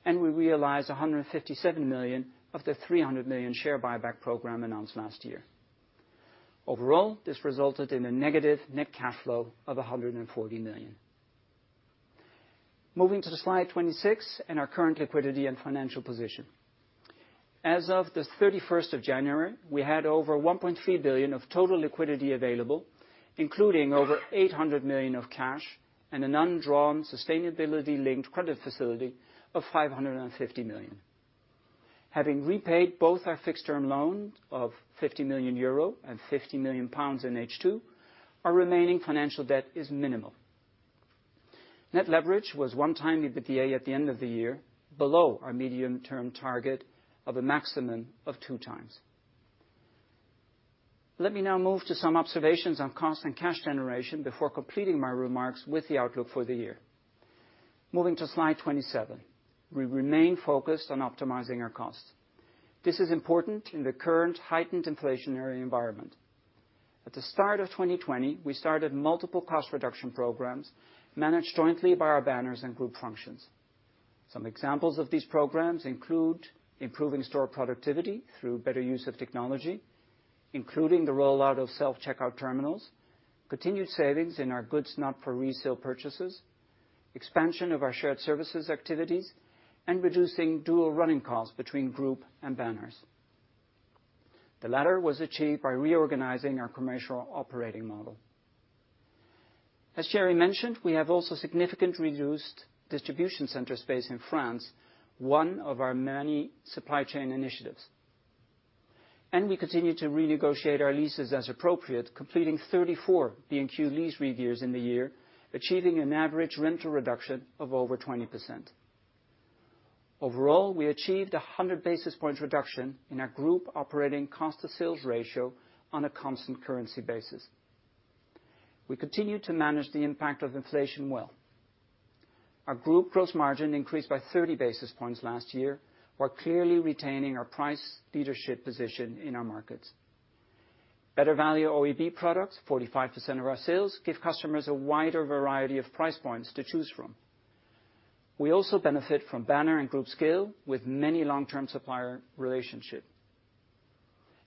and we realized 157 million of the 300 million share buyback program announced last year. Overall, this resulted in a negative net cash flow of 140 million. Moving to Slide 26 and our current liquidity and financial position. As of January 31, we had over 1.3 billion of total liquidity available, including over 800 million of cash and an undrawn sustainability-linked credit facility of 550 million. Having repaid both our fixed-term loan of 50 million euro and 50 million pounds in H2, our remaining financial debt is minimal. Net leverage was 1x EBITDA at the end of the year, below our medium-term target of a maximum of 2x. Let me now move to some observations on cost and cash generation before completing my remarks with the outlook for the year. Moving to Slide 27. We remain focused on optimizing our costs. This is important in the current heightened inflationary environment. At the start of 2020, we started multiple cost reduction programs managed jointly by our banners and group functions. Some examples of these programs include improving store productivity through better use of technology, including the rollout of self-checkout terminals, continued savings in our goods not for resale purchases, expansion of our shared services activities, and reducing dual running costs between group and banners. The latter was achieved by reorganizing our commercial operating model. As Thierry mentioned, we have also significantly reduced distribution center space in France, one of our many supply chain initiatives. We continue to renegotiate our leases as appropriate, completing 34 B&Q lease reviews in the year, achieving an average rental reduction of over 20%. Overall, we achieved a 100 basis points reduction in our group operating cost to sales ratio on a constant currency basis. We continue to manage the impact of inflation well. Our group gross margin increased by 30 basis points last year, while clearly retaining our price leadership position in our markets. Better value OEB products, 45% of our sales, give customers a wider variety of price points to choose from. We also benefit from banner and group scale with many long-term supplier relationship.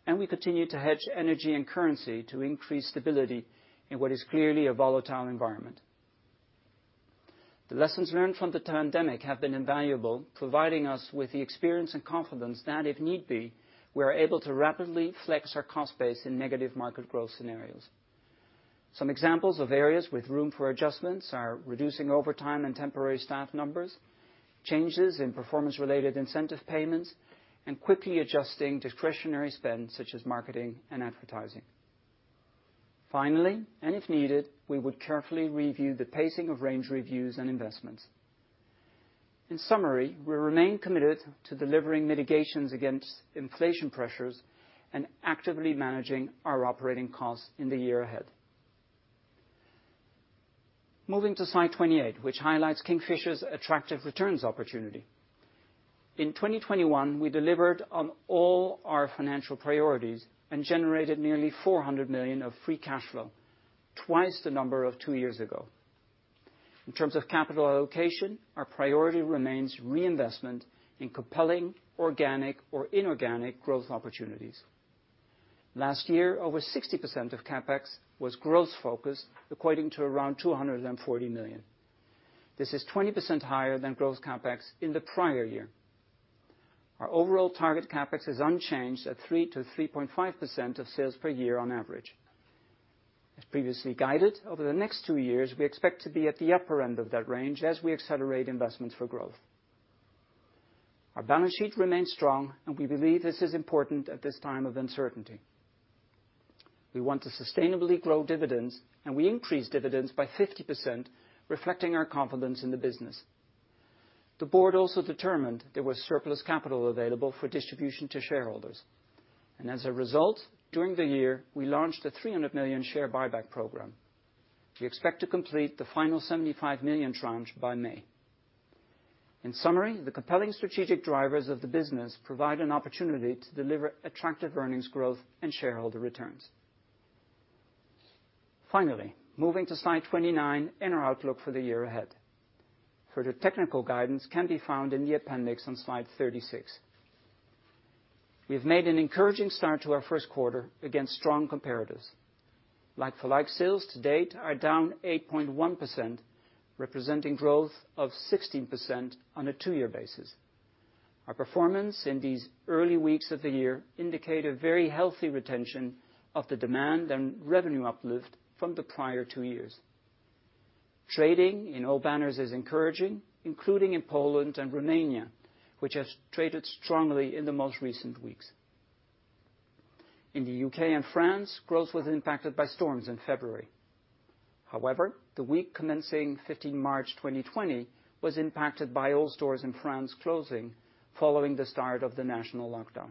We continue to hedge energy and currency to increase stability in what is clearly a volatile environment. The lessons learned from the pandemic have been invaluable, providing us with the experience and confidence that, if need be, we are able to rapidly flex our cost base in negative market growth scenarios. Some examples of areas with room for adjustments are reducing overtime and temporary staff numbers, changes in performance related incentive payments, and quickly adjusting discretionary spend such as marketing and advertising. Finally, and if needed, we would carefully review the pacing of range reviews and investments. In summary, we remain committed to delivering mitigations against inflation pressures and actively managing our operating costs in the year ahead. Moving to Slide 28, which highlights Kingfisher's attractive returns opportunity. In 2021, we delivered on all our financial priorities and generated nearly 400 million of free cash flow, twice the number of 2 years ago. In terms of capital allocation, our priority remains reinvestment in compelling organic or inorganic growth opportunities. Last year, over 60% of CapEx was growth focused, equating to around 240 million. This is 20% higher than growth CapEx in the prior year. Our overall target CapEx is unchanged at 3%-3.5% of sales per year on average. As previously guided, over the next two years, we expect to be at the upper end of that range as we accelerate investments for growth. Our balance sheet remains strong, and we believe this is important at this time of uncertainty. We want to sustainably grow dividends, and we increased dividends by 50%, reflecting our confidence in the business. The board also determined there was surplus capital available for distribution to shareholders, and as a result, during the year, we launched a 300 million share buyback program. We expect to complete the final 75 million tranche by May. In summary, the compelling strategic drivers of the business provide an opportunity to deliver attractive earnings growth and shareholder returns. Finally, moving to Slide 29 in our outlook for the year ahead. Further technical guidance can be found in the appendix on Slide 36. We have made an encouraging start to our first quarter against strong comparatives. Like-for-like sales to date are down 8.1%, representing growth of 16% on a two-year basis. Our performance in these early weeks of the year indicate a very healthy retention of the demand and revenue uplift from the prior two years. Trading in all banners is encouraging, including in Poland and Romania, which has traded strongly in the most recent weeks. In the UK and France, growth was impacted by storms in February. However, the week commencing 15 March 2020 was impacted by all stores in France closing following the start of the national lockdown.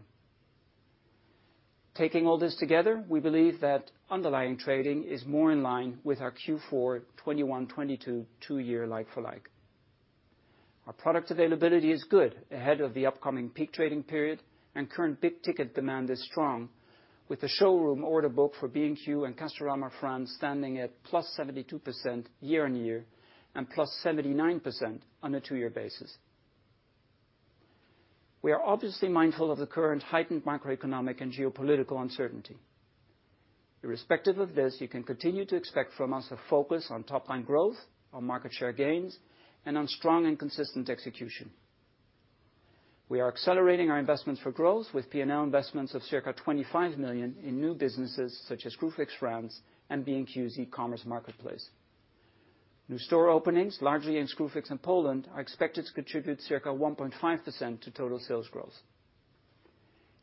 Taking all this together, we believe that underlying trading is more in line with our Q4 2021-22 two-year like-for-like. Our product availability is good ahead of the upcoming peak trading period, and current big-ticket demand is strong with the showroom order book for B&Q and Castorama France standing at +72% year-on-year and +79% on a 2-year basis. We are obviously mindful of the current heightened macroeconomic and geopolitical uncertainty. Irrespective of this, you can continue to expect from us a focus on top-line growth, on market share gains, and on strong and consistent execution. We are accelerating our investments for growth with P&L investments of circa 25 million in new businesses such as Screwfix France and B&Q's e-commerce marketplace. New store openings, largely in Screwfix and Poland, are expected to contribute circa 1.5% to total sales growth.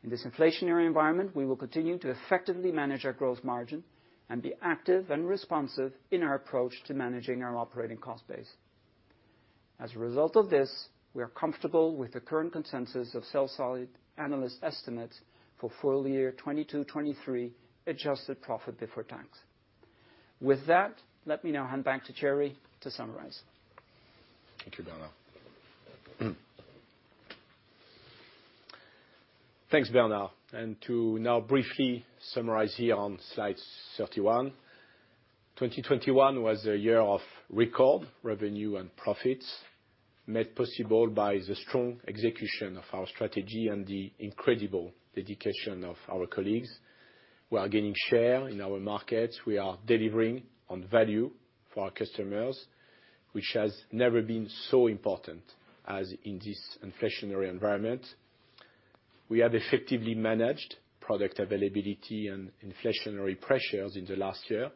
In this inflationary environment, we will continue to effectively manage our growth margin and be active and responsive in our approach to managing our operating cost base. As a result of this, we are comfortable with the current consensus of sell-side analyst estimates for full year 2022, 2023 adjusted profit before tax. With that, let me now hand back to Thierry to summarize. Thank you, Bernard. To now briefly summarize here on Slide 31, 2021 was a year of record revenue and profits made possible by the strong execution of our strategy and the incredible dedication of our colleagues. We are gaining share in our markets. We are delivering on value for our customers, which has never been so important as in this inflationary environment. We have effectively managed product availability and inflationary pressures in the last year,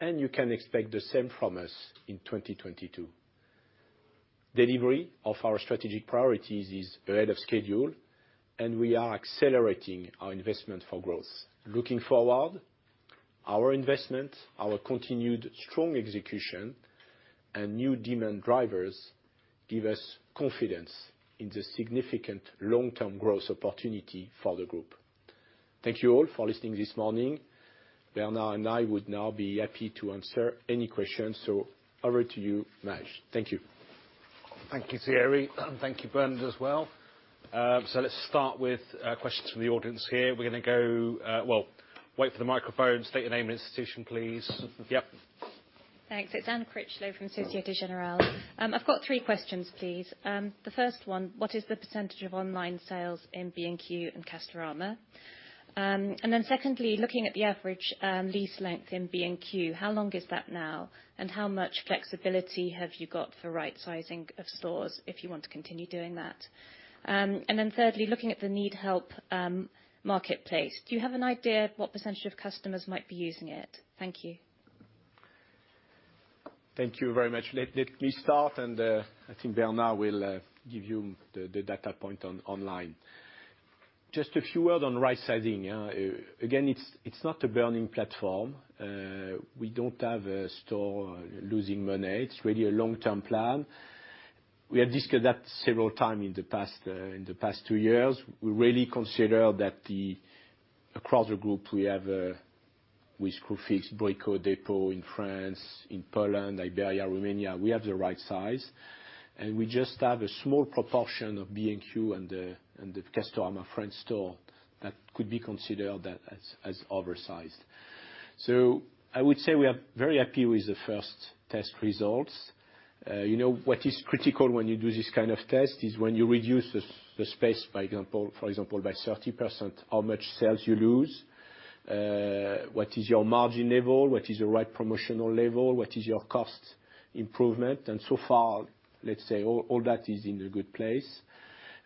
and you can expect the same from us in 2022. Delivery of our strategic priorities is ahead of schedule, and we are accelerating our investment for growth. Looking forward, our investment, our continued strong execution, and new demand drivers give us confidence in the significant long-term growth opportunity for the group. Thank you all for listening this morning. Bernard and I would now be happy to answer any questions. Over to you, Maj. Thank you. Thank you, Thierry. Thank you, Bernard, as well. Let's start with questions from the audience here. Well, wait for the microphone. State your name and institution, please. Yep. Thanks. It's Anne Critchlow from Société Générale. I've got three questions, please. The first one, what is the percentage of online sales in B&Q and Castorama? Secondly, looking at the average lease length in B&Q, how long is that now, and how much flexibility have you got for rightsizing of stores if you want to continue doing that? Thirdly, looking at the NeedHelp marketplace, do you have an idea of what percentage of customers might be using it? Thank you. Thank you very much. Let me start, and I think Bernard will give you the data point online. Just a few words on rightsizing. Again, it's not a burning platform. We don't have a store losing money. It's really a long-term plan. We have discussed that several times in the past two years. We really consider that across the group, we have with Screwfix, Brico Dépôt in France, in Poland, Iberia, Romania, we have the right size, and we just have a small proportion of B&Q and the Castorama France store that could be considered as oversized. So I would say we are very happy with the first test results. You know, what is critical when you do this kind of test is when you reduce the space for example, by 30%, how much sales you lose, what is your margin level, what is the right promotional level, what is your cost improvement. So far, let's say, all that is in a good place.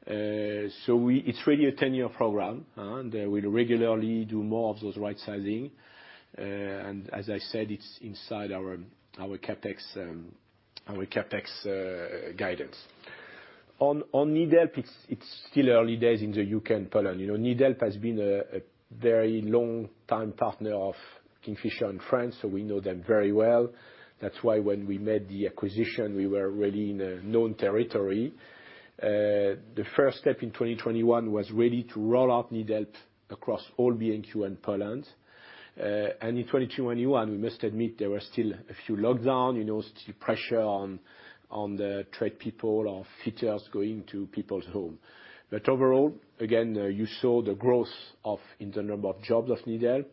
It's really a 10-year program, and we regularly do more of those rightsizing. As I said, it's inside our CapEx guidance. On NeedHelp, it's still early days in the U.K. and Poland. You know, NeedHelp has been a very long time partner of Kingfisher in France, so we know them very well. That's why when we made the acquisition, we were already in a known territory. The first step in 2021 was really to roll out NeedHelp across all B&Q and Poland. In 2021, we must admit there were still a few lockdowns, you know, still pressure on the trade people or fitters going to people's home. But overall, again, you saw the growth in the number of jobs of NeedHelp.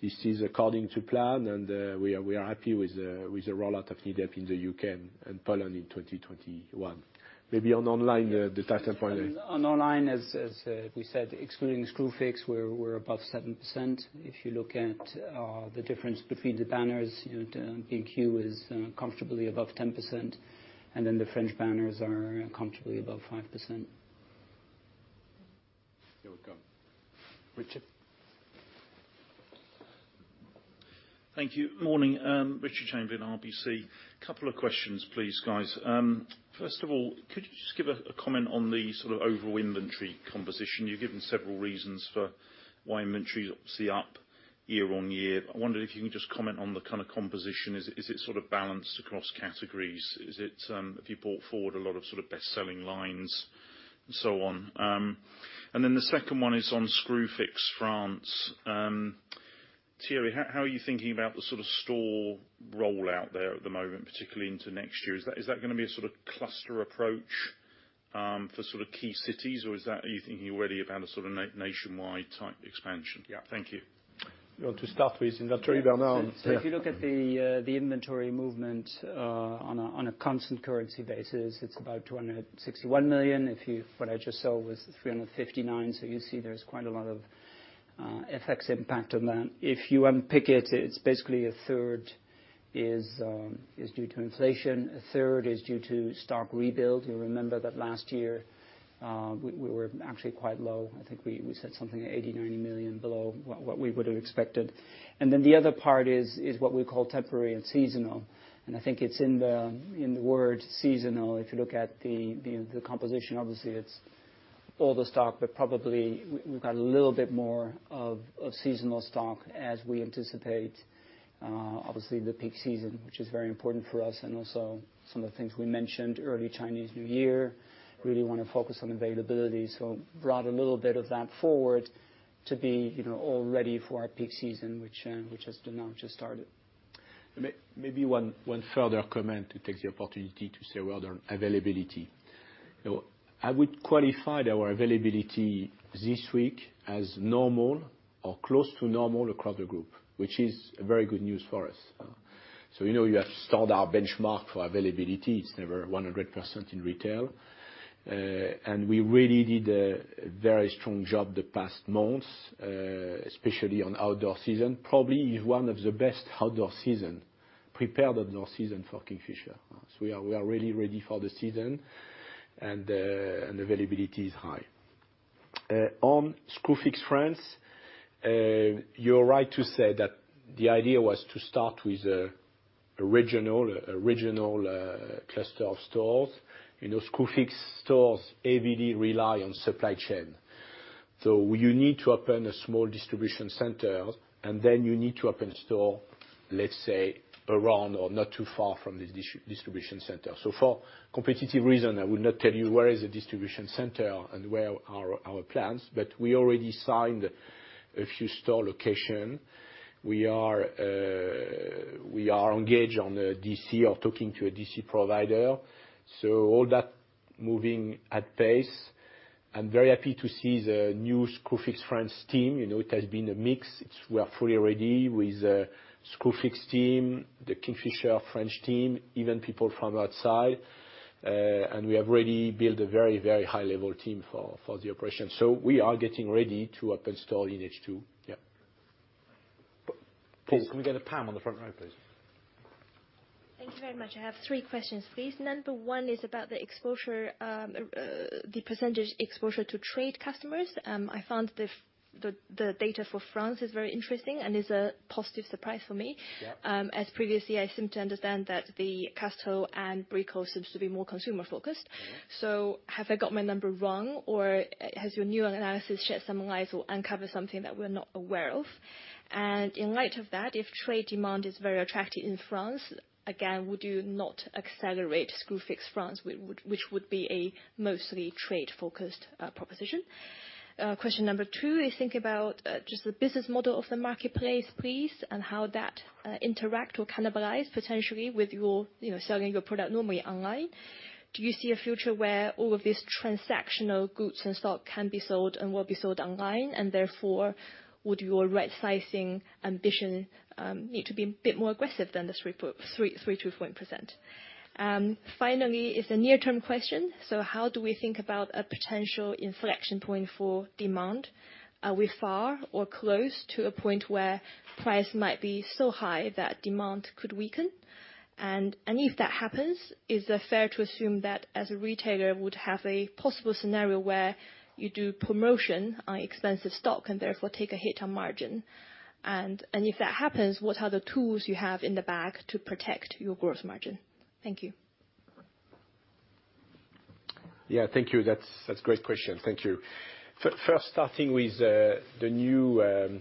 This is according to plan, and we are happy with the rollout of NeedHelp in the UK and Poland in 2021. Maybe on online the data point. Online, as we said, excluding Screwfix, we're above 7%. If you look at the difference between the banners, you know, the B&Q is comfortably above 10%, and then the French banners are comfortably above 5%. Here we go. Richard. Thank you. Morning. Richard Chamberlain, RBC. Couple of questions, please, guys. First of all, could you just give a comment on the sort of overall inventory composition? You've given several reasons for why inventory is obviously up year-on-year. I wonder if you can just comment on the kind of composition. Is it sort of balanced across categories? Have you brought forward a lot of sort of best-selling lines and so on? And then the second one is on Screwfix France. Thierry, how are you thinking about the sort of store rollout there at the moment, particularly into next year? Is that gonna be a sort of cluster approach for sort of key cities, or are you thinking already about a sort of nationwide type expansion? Yeah. Thank you. You want to start with inventory, Bernard? If you look at the inventory movement on a constant currency basis, it's about 261 million. What I just sold was 359 million. You see there's quite a lot of effects impact on that. If you unpick it's basically a third is due to inflation, a third is due to stock rebuild. You remember that last year we were actually quite low. I think we said something 80-90 million below what we would have expected. The other part is what we call temporary and seasonal. I think it's in the word seasonal. If you look at the composition, obviously it's older stock, but probably we've got a little bit more of seasonal stock as we anticipate obviously the peak season, which is very important for us and also some of the things we mentioned, early Chinese New Year. Really wanna focus on availability. Brought a little bit of that forward to be, you know, all ready for our peak season, which has now just started. Maybe one further comment. It takes the opportunity to say about our availability. You know, I would qualify our availability this week as normal or close to normal across the group, which is a very good news for us. You know, you have to start our benchmark for availability. It's never 100% in retail. We really did a very strong job the past months, especially on outdoor season. Probably one of the best outdoor season prepared outdoor season for Kingfisher. We are really ready for the season. Availability is high. On Screwfix France, you're right to say that the idea was to start with a regional cluster of stores. You know, Screwfix stores heavily rely on supply chain, so you need to open a small distribution center, and then you need to open a store, let's say, around or not too far from the distribution center. For competitive reason, I will not tell you where is the distribution center and where are our plans, but we already signed a few store location. We are engaged on a DC or talking to a DC provider. All that moving at pace. I'm very happy to see the new Screwfix France team. You know, it has been a mix. It's we are fully ready with Screwfix team, the Kingfisher French team, even people from outside. We have really built a very, very high-level team for the operation. We are getting ready to open store in H2. Yeah. Please, can we go to Pam on the front row, please? Thank you very much. I have three questions, please. Number one is about the exposure, the percentage exposure to trade customers. I found the data for France is very interesting and is a positive surprise for me. Yeah. As previously, I seem to understand that the Castorama and Brico seems to be more consumer focused. Mm-hmm. Have I got my number wrong, or has your new analysis shed some light or uncovered something that we're not aware of? In light of that, if trade demand is very attractive in France, again, would you not accelerate Screwfix France, which would be a mostly trade-focused proposition? Question number 2 is think about just the business model of the marketplace, please, and how that interact or cannibalize potentially with your, you know, selling your product normally online. Do you see a future where all of these transactional goods and stock can be sold and will be sold online, and therefore would your rightsizing ambition need to be a bit more aggressive than the 3.3%-4%? Finally, it's a near-term question. How do we think about a potential inflection point for demand? Are we far or close to a point where price might be so high that demand could weaken? If that happens, is it fair to assume that a retailer would have a possible scenario where you do promotion on expensive stock and therefore take a hit on margin? If that happens, what are the tools you have in the bag to protect your gross margin? Thank you. Yeah, thank you. That's great question. Thank you. First, starting with the new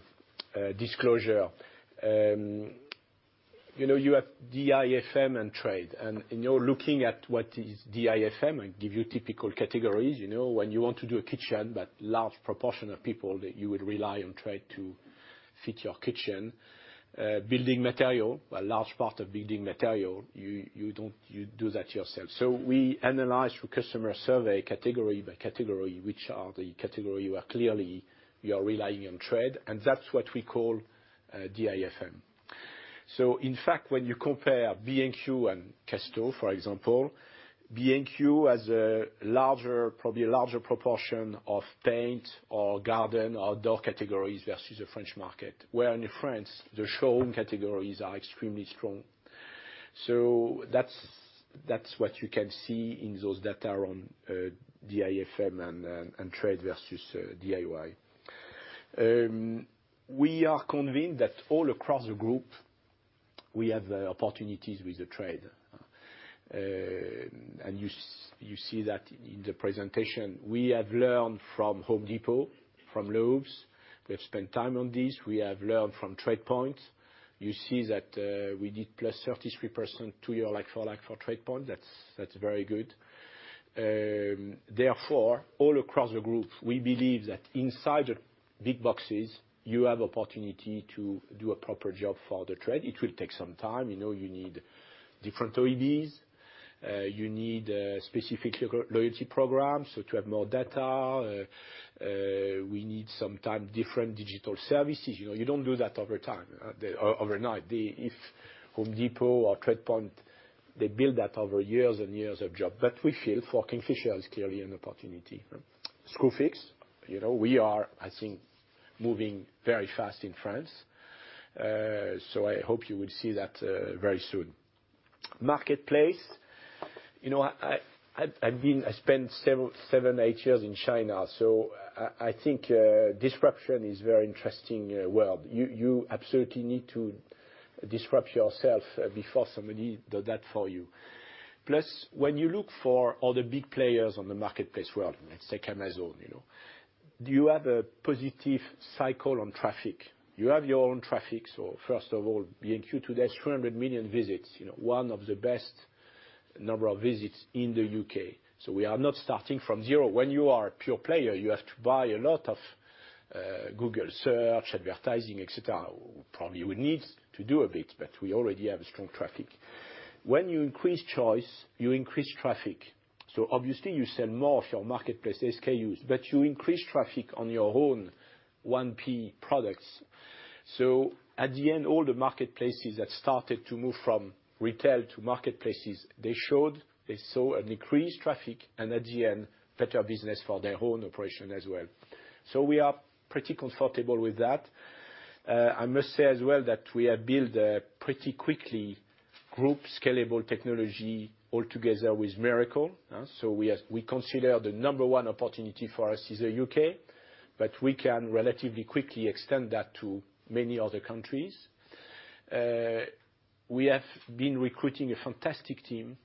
disclosure. You know, you have DIFM and trade and, you know, looking at what is DIFM and give you typical categories. You know, when you want to do a kitchen, but large proportion of people that you would rely on trade to fit your kitchen. Building material, a large part of building material, you don't. You do that yourself. So we analyze through customer survey category by category, which are the category you are clearly relying on trade, and that's what we call DIFM. So in fact, when you compare B&Q and Castorama, for example, B&Q has probably a larger proportion of paint or garden or door categories versus the French market. Where in France, the showroom categories are extremely strong. That's what you can see in those data on DIFM and trade versus DIY. We are convinced that all across the group we have opportunities with the trade. You see that in the presentation. We have learned from Home Depot, from Lowe's. We have spent time on this. We have learned from TradePoint. You see that we did +33% two-year like-for-like for TradePoint. That's very good. Therefore, all across the group, we believe that inside the big boxes, you have opportunity to do a proper job for the trade. It will take some time. You know, you need different apps. You need specific loyalty programs so to have more data. We need some different digital services. You know, you don't do that overnight. If Home Depot or TradePoint, they build that over years and years of job. We feel for Kingfisher, it's clearly an opportunity. Screwfix, you know, we are, I think, moving very fast in France. I hope you will see that very soon. Marketplace, you know, I've been—I spent 7, 8 years in China, I think disruption is very interesting world. You absolutely need to disrupt yourself before somebody does that for you. Plus, when you look for all the big players on the marketplace world, let's take Amazon, you know, do you have a positive cycle on traffic? You have your own traffic, so first of all, B&Q today is 300 million visits, you know, one of the best number of visits in the U.K. We are not starting from zero. When you are a pure player, you have to buy a lot of, Google search, advertising, et cetera. Probably we need to do a bit, but we already have strong traffic. When you increase choice, you increase traffic. Obviously you sell more of your marketplace SKUs, but you increase traffic on your own 1P products. At the end, all the marketplaces that started to move from retail to marketplaces, they saw an increased traffic and at the end, better business for their own operation as well. We are pretty comfortable with that. I must say as well that we have built a pretty quickly group scalable technology all together with Mirakl. We consider the number one opportunity for us is the U.K., but we can relatively quickly extend that to many other countries. We have been recruiting a fantastic team,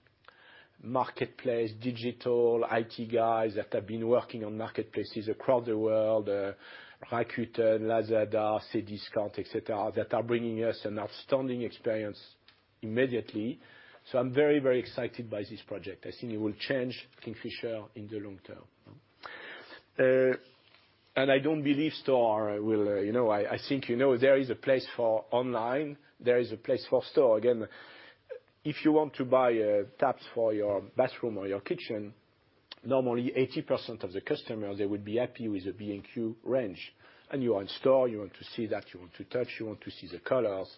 marketplace, digital, IT guys that have been working on marketplaces across the world, Rakuten, Lazada, Cdiscount, et cetera, that are bringing us an outstanding experience immediately. I'm very, very excited by this project. I think it will change Kingfisher in the long term. I don't believe store will, you know. I think, you know, there is a place for online, there is a place for store. Again, if you want to buy, taps for your bathroom or your kitchen, normally 80% of the customers, they would be happy with a B&Q range. You are in store, you want to see that, you want to touch, you want to see the colors.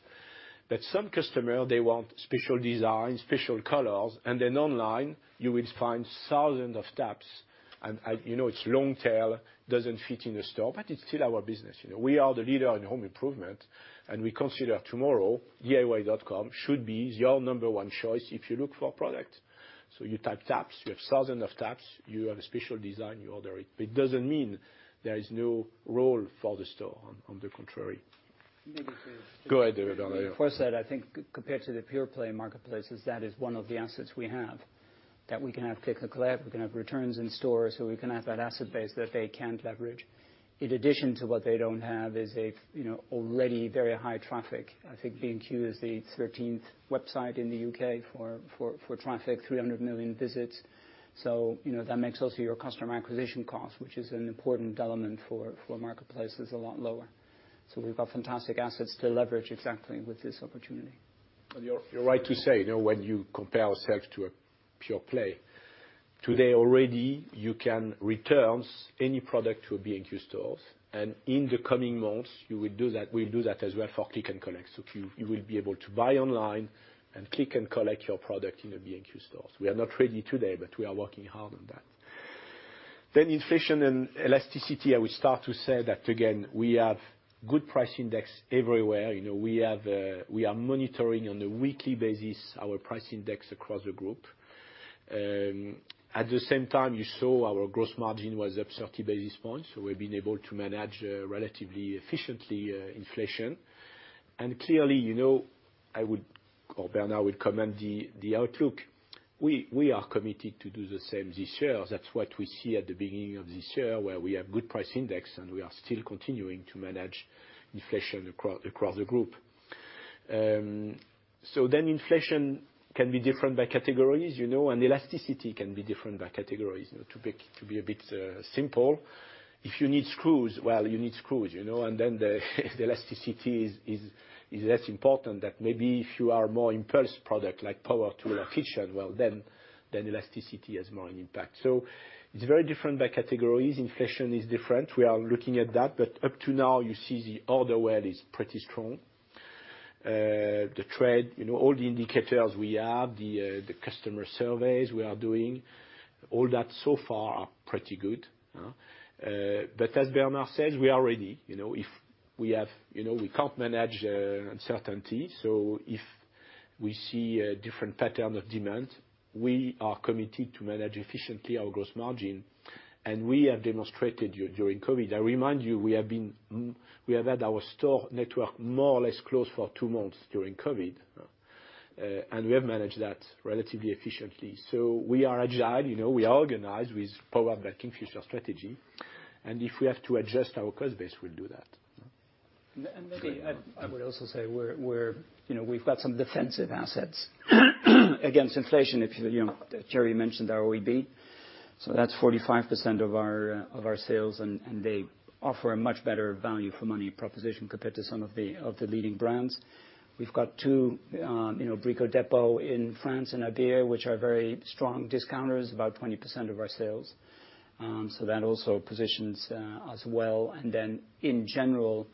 Some customer, they want special design, special colors, and then online you will find thousands of taps. I You know, it's long tail, doesn't fit in the store, but it's still our business, you know. We are the leader in home improvement, and we consider tomorrow, diy.com should be your number one choice if you look for a product. You type taps, you have thousands of taps, you have a special design, you order it. It doesn't mean there is no role for the store, on the contrary. Maybe to- Go ahead, Bernard Bot, I'll let you. For that, I think compared to the pure play marketplaces, that is one of the assets we have, that we can have click and collect, we can have returns in store, so we can have that asset base that they can't leverage. In addition to what they don't have is a, you know, already very high traffic. I think B&Q is the thirteenth website in the U.K. for traffic, 300 million visits. You know, that makes also your customer acquisition cost, which is an important element for marketplaces, a lot lower. We've got fantastic assets to leverage exactly with this opportunity. You're right to say, you know, when you compare ourselves to a pure play. Today already you can return any product to a B&Q store, and in the coming months, you will do that, we'll do that as well for click and collect. You will be able to buy online and click and collect your product in the B&Q stores. We are not ready today, but we are working hard on that. Inflation and elasticity, I will start to say that again, we have good price index everywhere. You know, we are monitoring on a weekly basis our price index across the group. At the same time, you saw our gross margin was up 30 basis points, so we've been able to manage relatively efficiently inflation. Clearly, you know, I would, or Bernard would comment the outlook. We are committed to do the same this year. That's what we see at the beginning of this year, where we have good price index and we are still continuing to manage inflation across the group. Inflation can be different by categories, you know, and elasticity can be different by categories. You know, to be a bit simple, if you need screws, well, you need screws, you know, and then the elasticity is less important than maybe if you are more impulse product like power tool or kitchen, well, then elasticity has more impact. It's very different by categories. Inflation is different. We are looking at that, but up to now, you see the order book is pretty strong. The trade, you know, all the indicators we have, the customer surveys we are doing, all that so far are pretty good. As Bernard says, we are ready. You know, if we have, you know, we can't manage uncertainty, so if we see a different pattern of demand. We are committed to manage efficiently our gross margin, and we have demonstrated during COVID. I remind you, we have had our store network more or less closed for two months during COVID. We have managed that relatively efficiently. We are agile, you know, we are organized with Powered by Kingfisher strategy. If we have to adjust our cost base, we'll do that. Maybe I would also say we're, you know, we've got some defensive assets against inflation. If you know, Thierry mentioned our OEB. That's 45% of our sales, and they offer a much better value for money proposition compared to some of the leading brands. We've got two Brico Dépôt in France and Iberia, which are very strong discounters, about 20% of our sales. So that also positions us well. In general,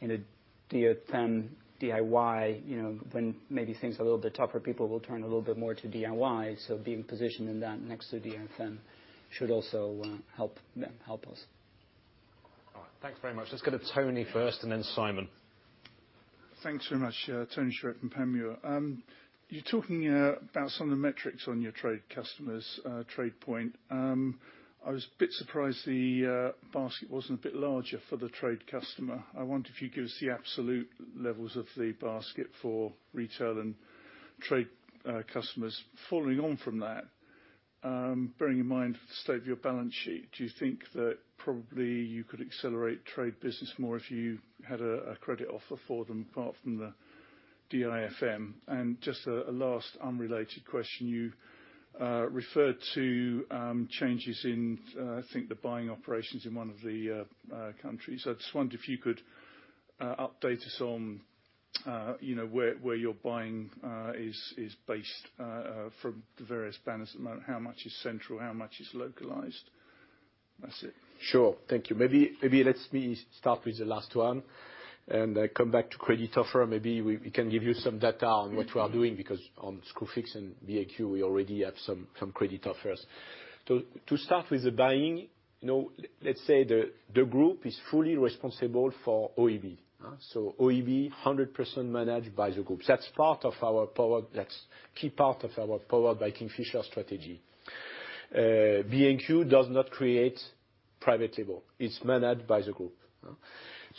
in a DIFM, DIY, you know, when maybe things are a little bit tougher, people will turn a little bit more to DIY. Being positioned in that next to DIFM should also help us. All right. Thanks very much. Let's go to Tony first and then Simon. Thanks very much. Tony Shiret from Panmure. You're talking about some of the metrics on your trade customers, TradePoint. I was a bit surprised the basket wasn't a bit larger for the trade customer. I wonder if you could give us the absolute levels of the basket for retail and trade customers. Following on from that, bearing in mind the state of your balance sheet, do you think that probably you could accelerate trade business more if you had a credit offer for them apart from the DIFM? Just a last unrelated question, you referred to changes in, I think the buying operations in one of the countries. I just wondered if you could update us on, you know, where your buying is based from the various banners at the moment. How much is central? How much is localized? That's it. Sure. Thank you. Maybe let me start with the last one and I come back to credit offer. Maybe we can give you some data on what we are doing because on Screwfix and B&Q we already have some credit offers. To start with the buying, you know, let's say the group is fully responsible for OEB. OEB 100% managed by the group. That's part of our power. That's key part of our Powered by Kingfisher strategy. B&Q does not create private label. It's managed by the group.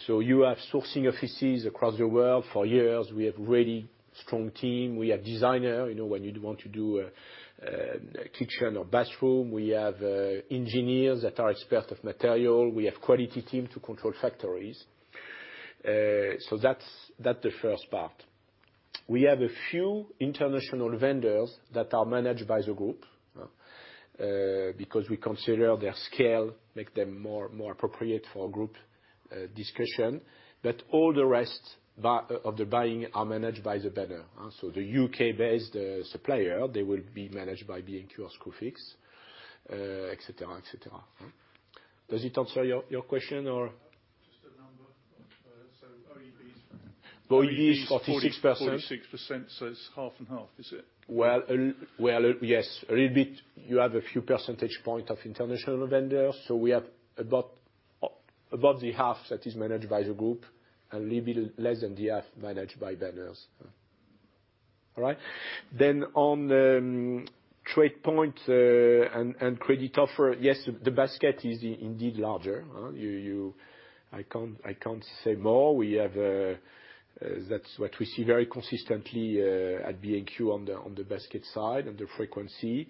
You have sourcing offices across the world for years. We have really strong team. We have designer, you know, when you'd want to do a kitchen or bathroom. We have engineers that are expert of material. We have quality team to control factories. That's the first part. We have a few international vendors that are managed by the group, because we consider their scale make them more appropriate for group discussion. All the rest of the buying are managed by the banner. The U.K.-based supplier, they will be managed by B&Q or Screwfix, et cetera, et cetera. Does it answer your question or? Just a number. OEB is OEB is 46%. 46%, so it's half and half, is it? Well, yes. A little bit, you have a few percentage points of international vendors. So we have about the half that is managed by the group and a little bit less than the half managed by banners. All right? Then on TradePoint and credit offer, yes, the basket is indeed larger. I can't say more. That's what we see very consistently at B&Q on the basket side and the frequency.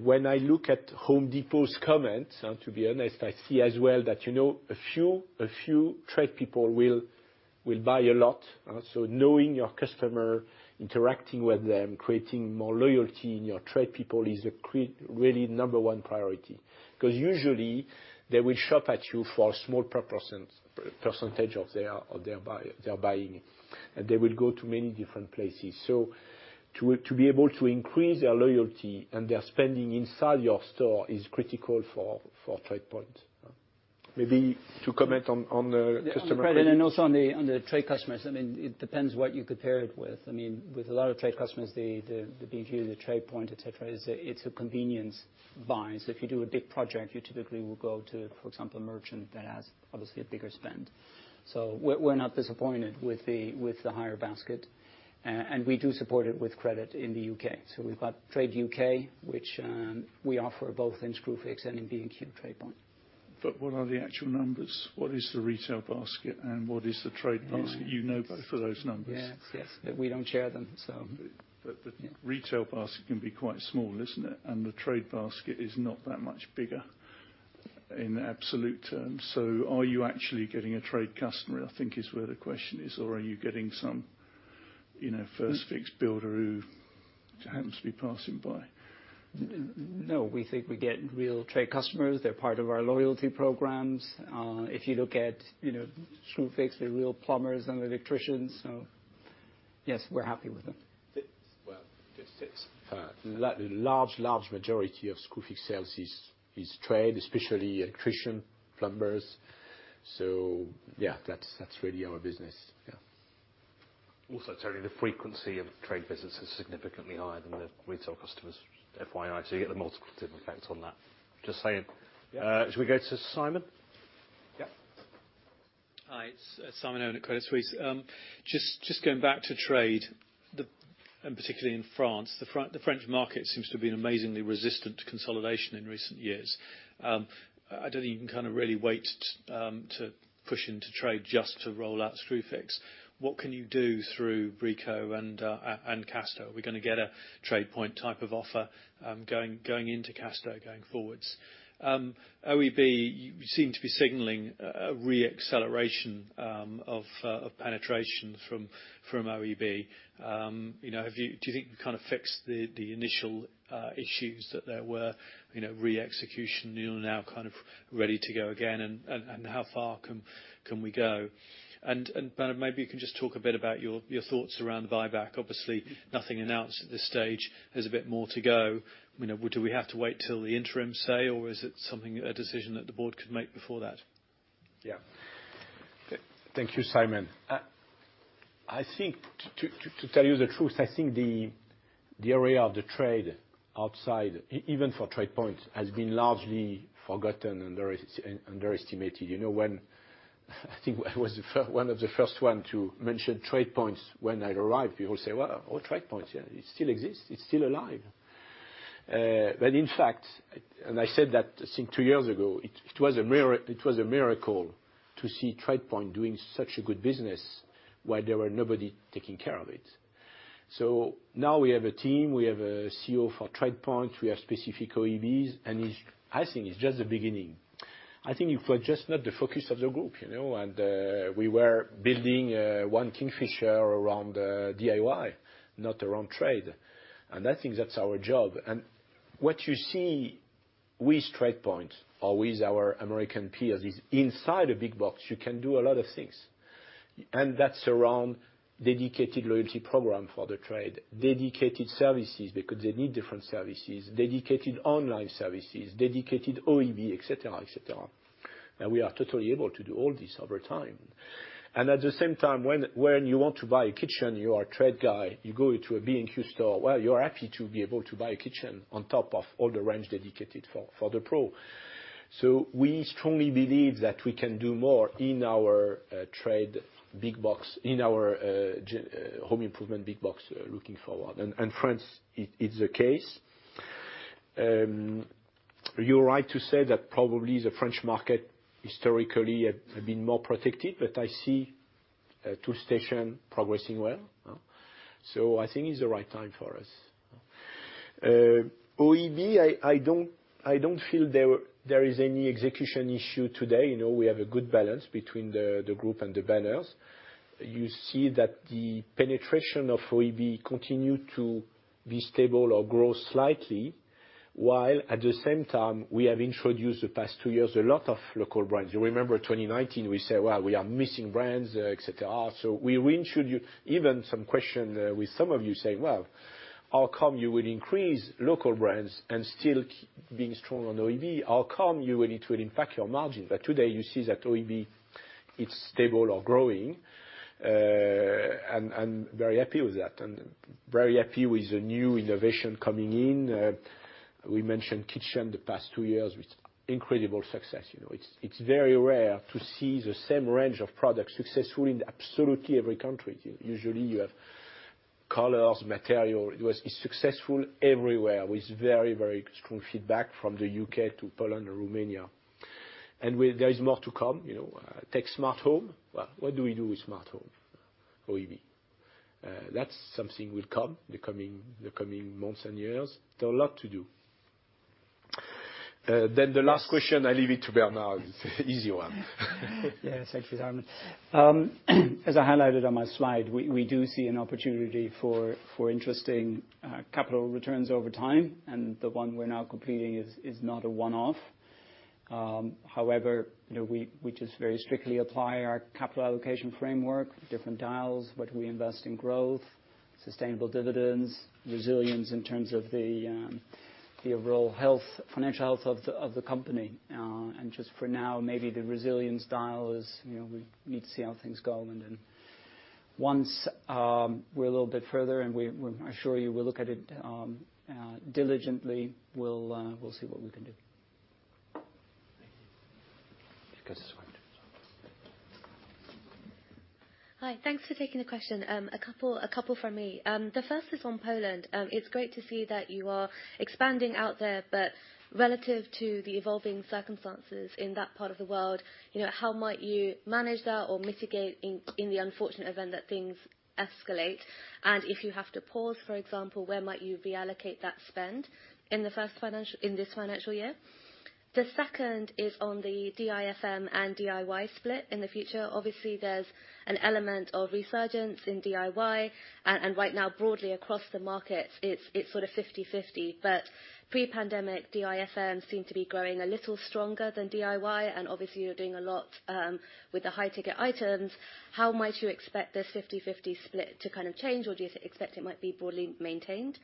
When I look at Home Depot's comment, to be honest, I see as well that, you know, a few trade people will buy a lot. So knowing your customer, interacting with them, creating more loyalty in your trade people is really number one priority. Because usually they will shop with you for a small percentage of their buying. They will go to many different places. To be able to increase their loyalty and their spending inside your store is critical for TradePoint. Maybe to comment on the customer credit- On the credit and also on the trade customers, I mean, it depends what you compare it with. I mean, with a lot of trade customers, the B&Q, the TradePoint, etc., it's a convenience buy. If you do a big project, you typically will go to, for example, a merchant that has obviously a bigger spend. We're not disappointed with the higher basket. We do support it with credit in the UK. We've got Trade UK, which we offer both in Screwfix and in B&Q TradePoint. What are the actual numbers? What is the retail basket and what is the trade basket? You know both of those numbers. Yes. We don't share them, so. The retail basket can be quite small, isn't it? The trade basket is not that much bigger in absolute terms. Are you actually getting a trade customer, I think is where the question is. Are you getting some, you know, first fix builder who happens to be passing by? No, we think we get real trade customers. They're part of our loyalty programs. If you look at, you know, Screwfix, they're real plumbers and electricians. Yes, we're happy with them. Well, it takes a large majority of Screwfix sales is trade, especially electricians, plumbers. Yeah, that's really our business. Yeah. Also, Tony, the frequency of trade visits is significantly higher than the retail customers, FYI, so you get a multiplicative effect on that. Just saying. Shall we go to Simon? Yeah. Hi, it's Simon Irwin at Credit Suisse. Just going back to trade, and particularly in France, the French market seems to have been amazingly resistant to consolidation in recent years. I don't think you can kind of really wait to push into trade just to roll out Screwfix. What can you do through Brico Dépôt and Castorama? Are we gonna get a TradePoint type of offer going into Castorama going forwards? OEB, you seem to be signaling a re-acceleration of penetration from OEB. You know, do you think you kind of fixed the initial issues that there were, you know, re-execution, you're now kind of ready to go again and how far can we go? Bernard, maybe you can just talk a bit about your thoughts around buyback. Obviously, nothing announced at this stage. There's a bit more to go. You know, do we have to wait till the interim, say, or is it something, a decision that the board could make before that? Thank you, Simon. I think to tell you the truth, I think the area of the trade outside, even for TradePoint, has been largely forgotten and underestimated. You know, when I think I was one of the first to mention TradePoint when I'd arrived, people say, "Well, oh, TradePoint. Yeah. It still exists. It's still alive." When in fact, I said that I think two years ago, it was a miracle to see TradePoint doing such a good business while there were nobody taking care of it. Now we have a team, we have a CEO for TradePoint, we have specific OEBs, and I think it's just the beginning. I think it was just not the focus of the group, you know, and we were building one Kingfisher around DIY, not around trade, and I think that's our job. What you see with TradePoint or with our American peers is inside a big box, you can do a lot of things. That's around dedicated loyalty program for the trade, dedicated services because they need different services, dedicated online services, dedicated OEB, et cetera, et cetera. We are totally able to do all this over time. At the same time, when you want to buy a kitchen, you are a trade guy, you go into a B&Q store, well, you're happy to be able to buy a kitchen on top of all the range dedicated for the pro. We strongly believe that we can do more in our trade big box, in our home improvement big box looking forward. In France, it's the case. You're right to say that probably the French market historically had been more protected, but I see Toolstation progressing well. I think it's the right time for us. OEB, I don't feel there is any execution issue today. You know, we have a good balance between the group and the banners. You see that the penetration of OEB continue to be stable or grow slightly, while at the same time we have introduced the past two years a lot of local brands. You remember 2019, we say, "Well, we are missing brands," et cetera. We reintroduce even some question with some of you saying, "Well, how come you will increase local brands and still keep being strong on OEB? How come you will need to impact your margin?" Today you see that OEB is stable or growing, and very happy with that, and very happy with the new innovation coming in. We mentioned kitchen the past two years with incredible success. You know, it's very rare to see the same range of products successful in absolutely every country. Usually, you have colors, material. It was successful everywhere with very strong feedback from the U.K. to Poland or Romania. There is more to come, you know. Take smart home. Well, what do we do with smart home, OEB? That's something will come the coming months and years. There are a lot to do. The last question I leave it to Bernard. Easy one. Yeah, thanks, Simon. As I highlighted on my slide, we do see an opportunity for interesting capital returns over time, and the one we're now completing is not a one-off. However, you know, we just very strictly apply our capital allocation framework, different dials, whether we invest in growth, sustainable dividends, resilience in terms of the overall health, financial health of the company. Just for now, maybe the resilience dial is, you know, we need to see how things go. Once we're a little bit further and we assure you we'll look at it diligently, we'll see what we can do. Thank you. You can start. Hi. Thanks for taking the question. A couple from me. The first is on Poland. It's great to see that you are expanding out there, but relative to the evolving circumstances in that part of the world, you know, how might you manage that or mitigate in the unfortunate event that things escalate? If you have to pause, for example, where might you reallocate that spend in this financial year? The second is on the DIFM and DIY split in the future. Obviously, there's an element of resurgence in DIY and right now broadly across the markets it's sort of 50-50. But pre-pandemic, DIFM seemed to be growing a little stronger than DIY, and obviously you're doing a lot with the high-ticket items. How might you expect this 50/50 split to kind of change, or do you expect it might be broadly maintained?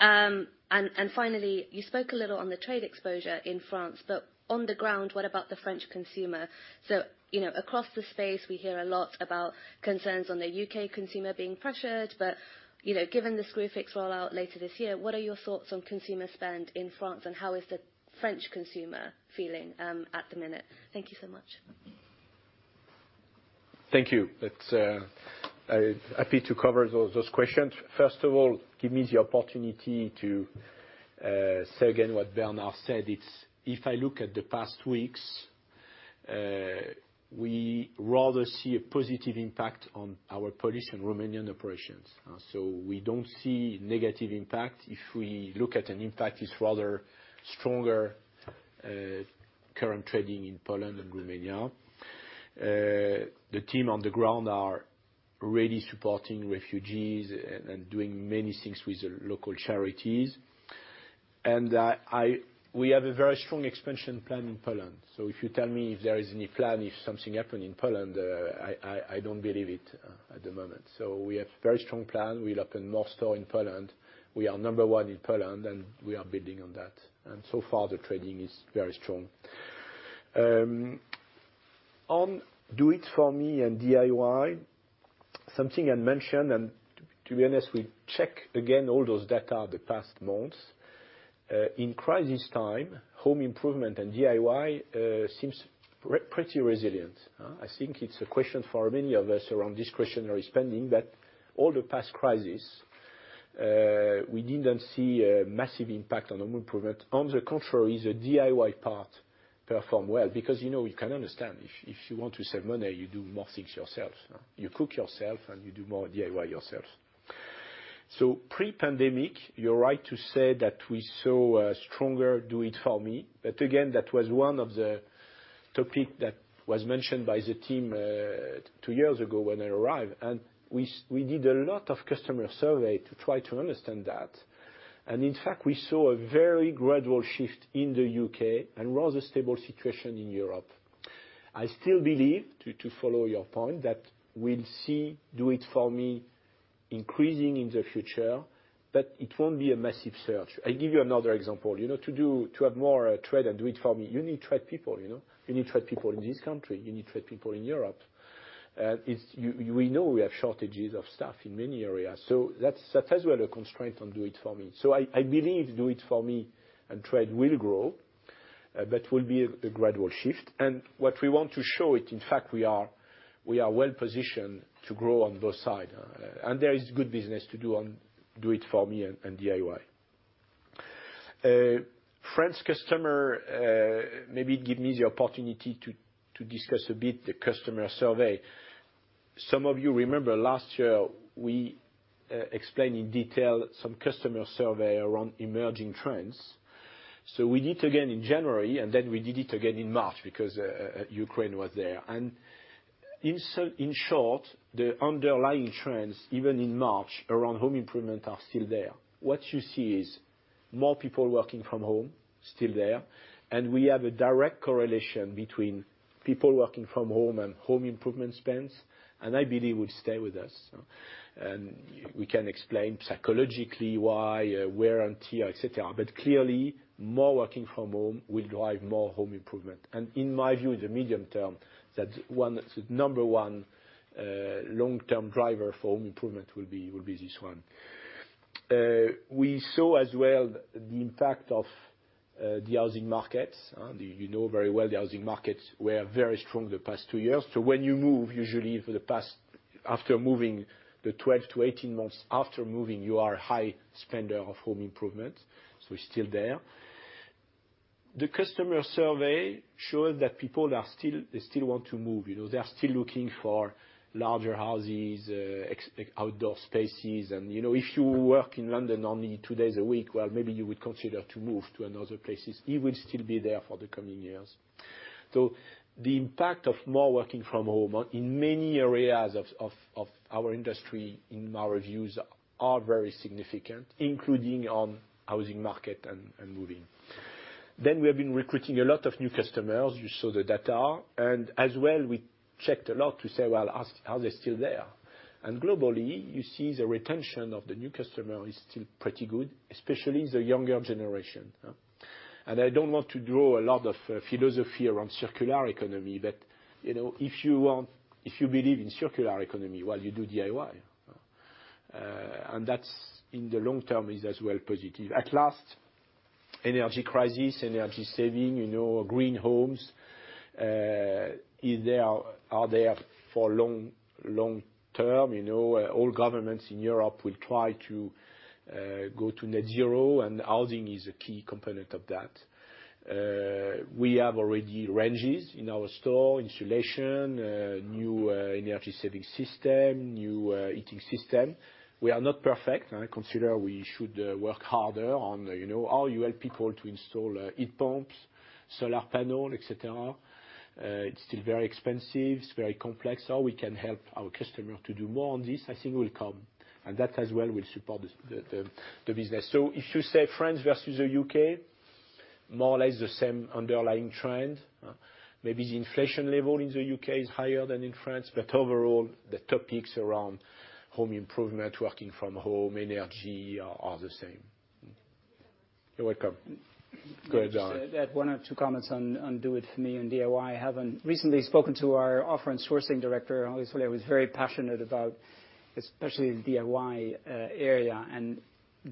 And finally, you spoke a little on the trade exposure in France, but on the ground, what about the French consumer? You know, across the space we hear a lot about concerns on the U.K. consumer being pressured, but, you know, given the Screwfix rollout later this year, what are your thoughts on consumer spend in France, and how is the French consumer feeling at the minute? Thank you so much. Thank you. I'm happy to cover those questions. First of all, give me the opportunity to say again what Bernard said. If I look at the past weeks, we rather see a positive impact on our Polish and Romanian operations. We don't see negative impact. If we look at an impact, it's rather stronger current trading in Poland and Romania. The team on the ground are really supporting refugees and doing many things with the local charities. We have a very strong expansion plan in Poland. If you tell me if there is any plan, if something happened in Poland, I don't believe it at the moment. We have very strong plan. We'll open more stores in Poland. We are number one in Poland, and we are building on that. So far the trading is very strong. On do it for me and DIY, something I mentioned, and to be honest, we check again all those data the past months. In crisis time, home improvement and DIY seems pretty resilient, huh? I think it's a question for many of us around discretionary spending that all the past crisis, we didn't see a massive impact on the home improvement. On the contrary, the DIY part performed well because, you know, you can understand if you want to save money, you do more things yourself, you cook yourself, and you do more DIY yourself. Pre-pandemic, you're right to say that we saw stronger do it for me. Again, that was one of the topics that was mentioned by the team, two years ago when I arrived, and we did a lot of customer survey to try to understand that. In fact, we saw a very gradual shift in the U.K. and rather stable situation in Europe. I still believe, to follow your point, that we'll see do it for me increasing in the future, but it won't be a massive surge. I give you another example. You know, to have more trade and do it for me, you need trade people, you know? You need trade people in this country. You need trade people in Europe. We know we have shortages of staff in many areas, so that as well a constraint on do it for me. I believe do it for me and trade will grow, but will be a gradual shift. What we want to show it, in fact, we are well-positioned to grow on both side. There is good business to do on do it for me and DIY. French customer, maybe give me the opportunity to discuss a bit the customer survey. Some of you remember last year we explained in detail some customer survey around emerging trends. We did again in January, and then we did it again in March because Ukraine was there. In short, the underlying trends, even in March around home improvement are still there. What you see is more people working from home, still there, and we have a direct correlation between people working from home and home improvement spends, and I believe will stay with us. We can explain psychologically why wear and tear, et cetera. Clearly, more working from home will drive more home improvement. In my view, in the medium term, that's one, the number one, long-term driver for home improvement will be this one. We saw as well the impact of the housing markets. You know very well the housing markets were very strong the past 2 years. When you move usually for the past, after moving the 12-18 months after moving, you are high spender of home improvement, so it's still there. The customer survey showed that people are still they still want to move, you know? They are still looking for larger houses, outdoor spaces and, you know, if you work in London only two days a week, well, maybe you would consider to move to another places. It will still be there for the coming years. The impact of more working from home in many areas of our industry, in my reviews, are very significant, including on housing market and moving. We have been recruiting a lot of new customers. You saw the data. As well, we checked a lot to say, "Well, are they still there?" Globally, you see the retention of the new customer is still pretty good, especially the younger generation. I don't want to draw a lot of philosophy around circular economy, but, you know, if you want, if you believe in circular economy while you do DIY, and that's in the long term is as well positive. Lastly, energy crisis, energy saving, you know, green homes, are there for long, long term. You know, all governments in Europe will try to go to net zero, and housing is a key component of that. We have already ranges in our store, insulation, new, energy-saving system, new, heating system. We are not perfect. I consider we should work harder on, you know, how you help people to install, heat pumps, solar panel, et cetera. It's still very expensive, it's very complex, so we can help our customer to do more on this. I think it will come, and that as well will support the business. If you say France versus the U.K., more or less the same underlying trend, huh? Maybe the inflation level in the U.K. is higher than in France, but overall, the topics around home improvement, working from home, energy are the same. You're welcome. Go ahead, John. Just add one or two comments on Do It For Me and DIY. Having recently spoken to our offering and sourcing director, obviously I was very passionate about especially the DIY area and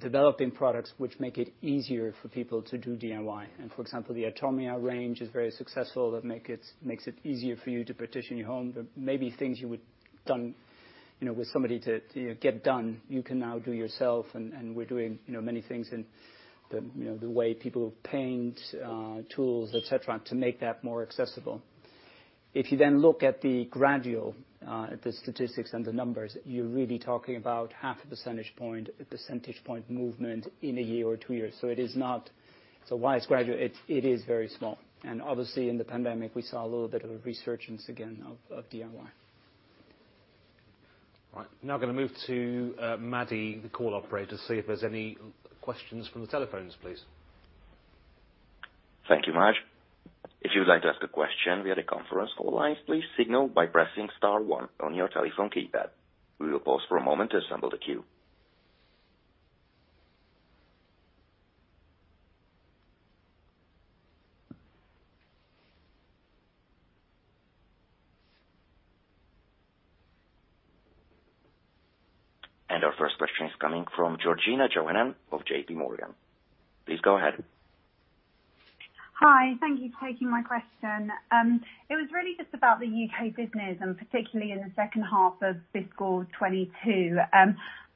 developing products which make it easier for people to do DIY. For example, the Atomia range is very successful, makes it easier for you to partition your home. There may be things you would done, you know, with somebody to, you know, get done, you can now do yourself. We're doing, you know, many things in the, you know, the way people paint, tools, et cetera, to make that more accessible. If you then look at the overall statistics and the numbers, you're really talking about half a percentage point, a percentage point movement in a year or two years. It is not... While it's gradual, it is very small. Obviously in the pandemic we saw a little bit of a resurgence again of DIY. All right. Now gonna move to Maddy, the call operator. See if there's any questions from the telephones, please. Thank you, Maj. If you would like to ask a question via the conference call lines, please signal by pressing star one on your telephone keypad. We will pause for a moment to assemble the queue. Our first question is coming from Georgina Johanan of JPMorgan. Please go ahead. Hi. Thank you for taking my question. It was really just about the U.K. business and particularly in the second half of fiscal 2022.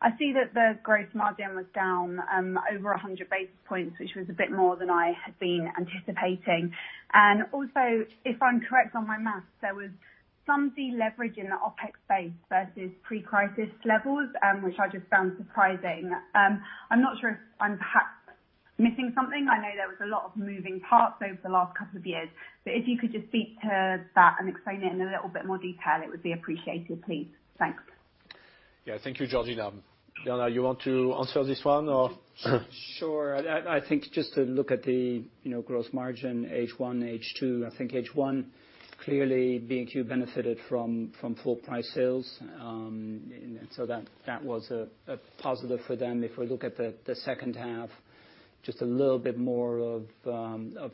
I see that the growth margin was down over 100 basis points, which was a bit more than I had been anticipating. If I'm correct on my math, there was some deleverage in the OpEx base versus pre-crisis levels, which I just found surprising. I'm not sure if I'm perhaps missing something. I know there was a lot of moving parts over the last couple of years. If you could just speak to that and explain it in a little bit more detail, it would be appreciated, please. Thanks. Yeah, thank you, Georgina. Bernard, you want to answer this one, or? Sure. I think just to look at the, you know, growth margin, H1, H2. I think H1 clearly B&Q benefited from full price sales. That was a positive for them. If we look at the second half, just a little bit more of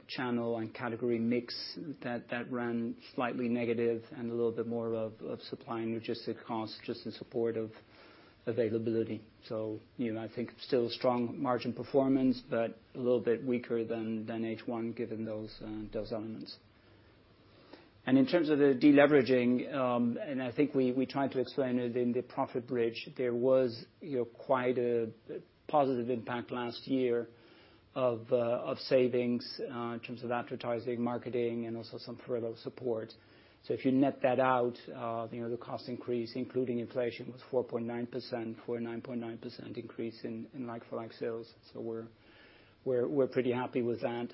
channel and category mix that ran slightly negative and a little bit more of supply and logistic costs just in support of availability. You know, I think still strong margin performance, but a little bit weaker than H1 given those elements. In terms of the deleveraging, I think we tried to explain it in the profit bridge. There was, you know, quite a positive impact last year of savings in terms of advertising, marketing, and also some payroll support. If you net that out, you know, the cost increase, including inflation, was 4.9% for a 9.9% increase in like-for-like sales. We're pretty happy with that.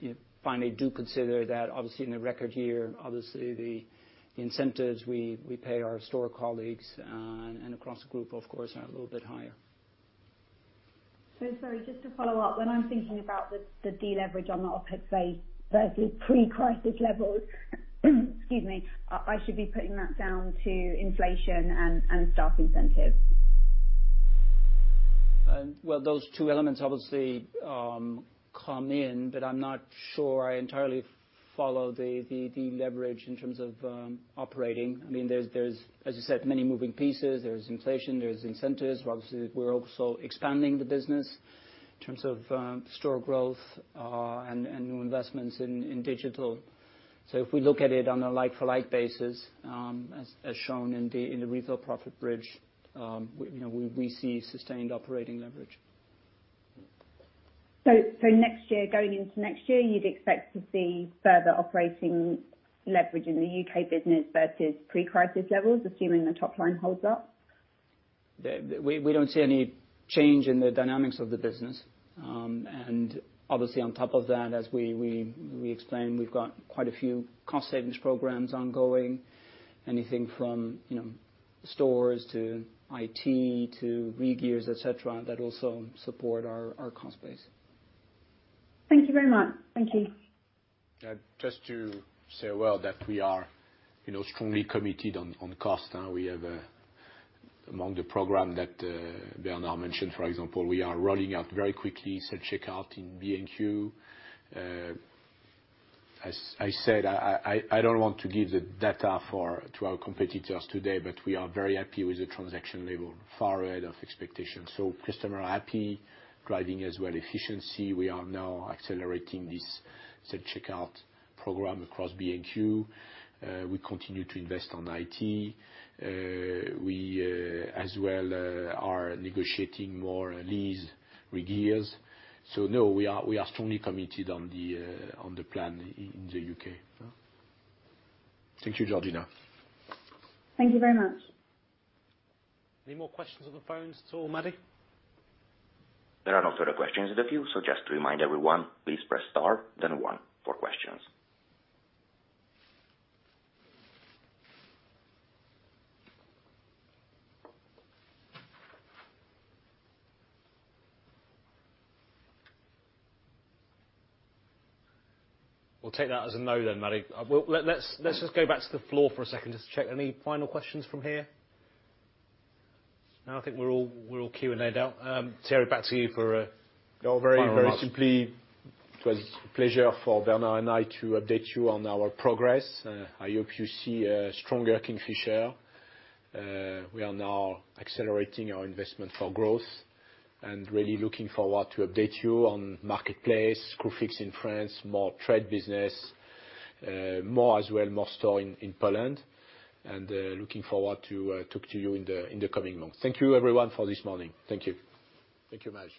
You know, finally, do consider that obviously in a record year, obviously the incentives we pay our store colleagues and across the group of course are a little bit higher. Sorry, just to follow up. When I'm thinking about the deleverage on the OpEx base versus pre-crisis levels, excuse me. I should be putting that down to inflation and staff incentives. Well, those two elements obviously come in, but I'm not sure I entirely follow the deleverage in terms of operating. I mean, there's as you said, many moving pieces. There's inflation, there's incentives. Obviously we're also expanding the business in terms of store growth and new investments in digital. If we look at it on a like-for-like basis, as shown in the retail profit bridge, you know, we see sustained operating leverage. Next year, going into next year, you'd expect to see further operating leverage in the U.K. business versus pre-crisis levels, assuming the top line holds up? We don't see any change in the dynamics of the business. Obviously on top of that, as we explained, we've got quite a few cost savings programs ongoing, anything from, you know, stores to IT to re-gears, et cetera, that also support our cost base. Thank you very much. Thank you. Just to say that we are, you know, strongly committed on cost. We have among the program that Bernard mentioned, for example, we are rolling out very quickly self-checkout in B&Q. As I said, I don't want to give the data to our competitors today, but we are very happy with the transaction level. Far ahead of expectations. Customers are happy, driving as well efficiency. We are now accelerating this self-checkout program across B&Q. We continue to invest on IT. We, as well, are negotiating more lease re-gears. No, we are strongly committed on the plan in the UK. Thank you, Georgina. Thank you very much. Any more questions on the phones at all, Maddy? There are no further questions in the queue. So just to remind everyone, please press star then one for questions. We'll take that as a no then, Maddy. Well, let's just go back to the floor for a second just to check any final questions from here. No, I think we're all Q&A'd out. Thierry, back to you for final remarks. Very simply, it was a pleasure for Bernard and I to update you on our progress. I hope you see a stronger Kingfisher. We are now accelerating our investment for growth and really looking forward to update you on marketplace, Grupx in France, more trade business, more as well, more store in Poland, and looking forward to talk to you in the coming months. Thank you everyone for this morning. Thank you. Thank you, Maj.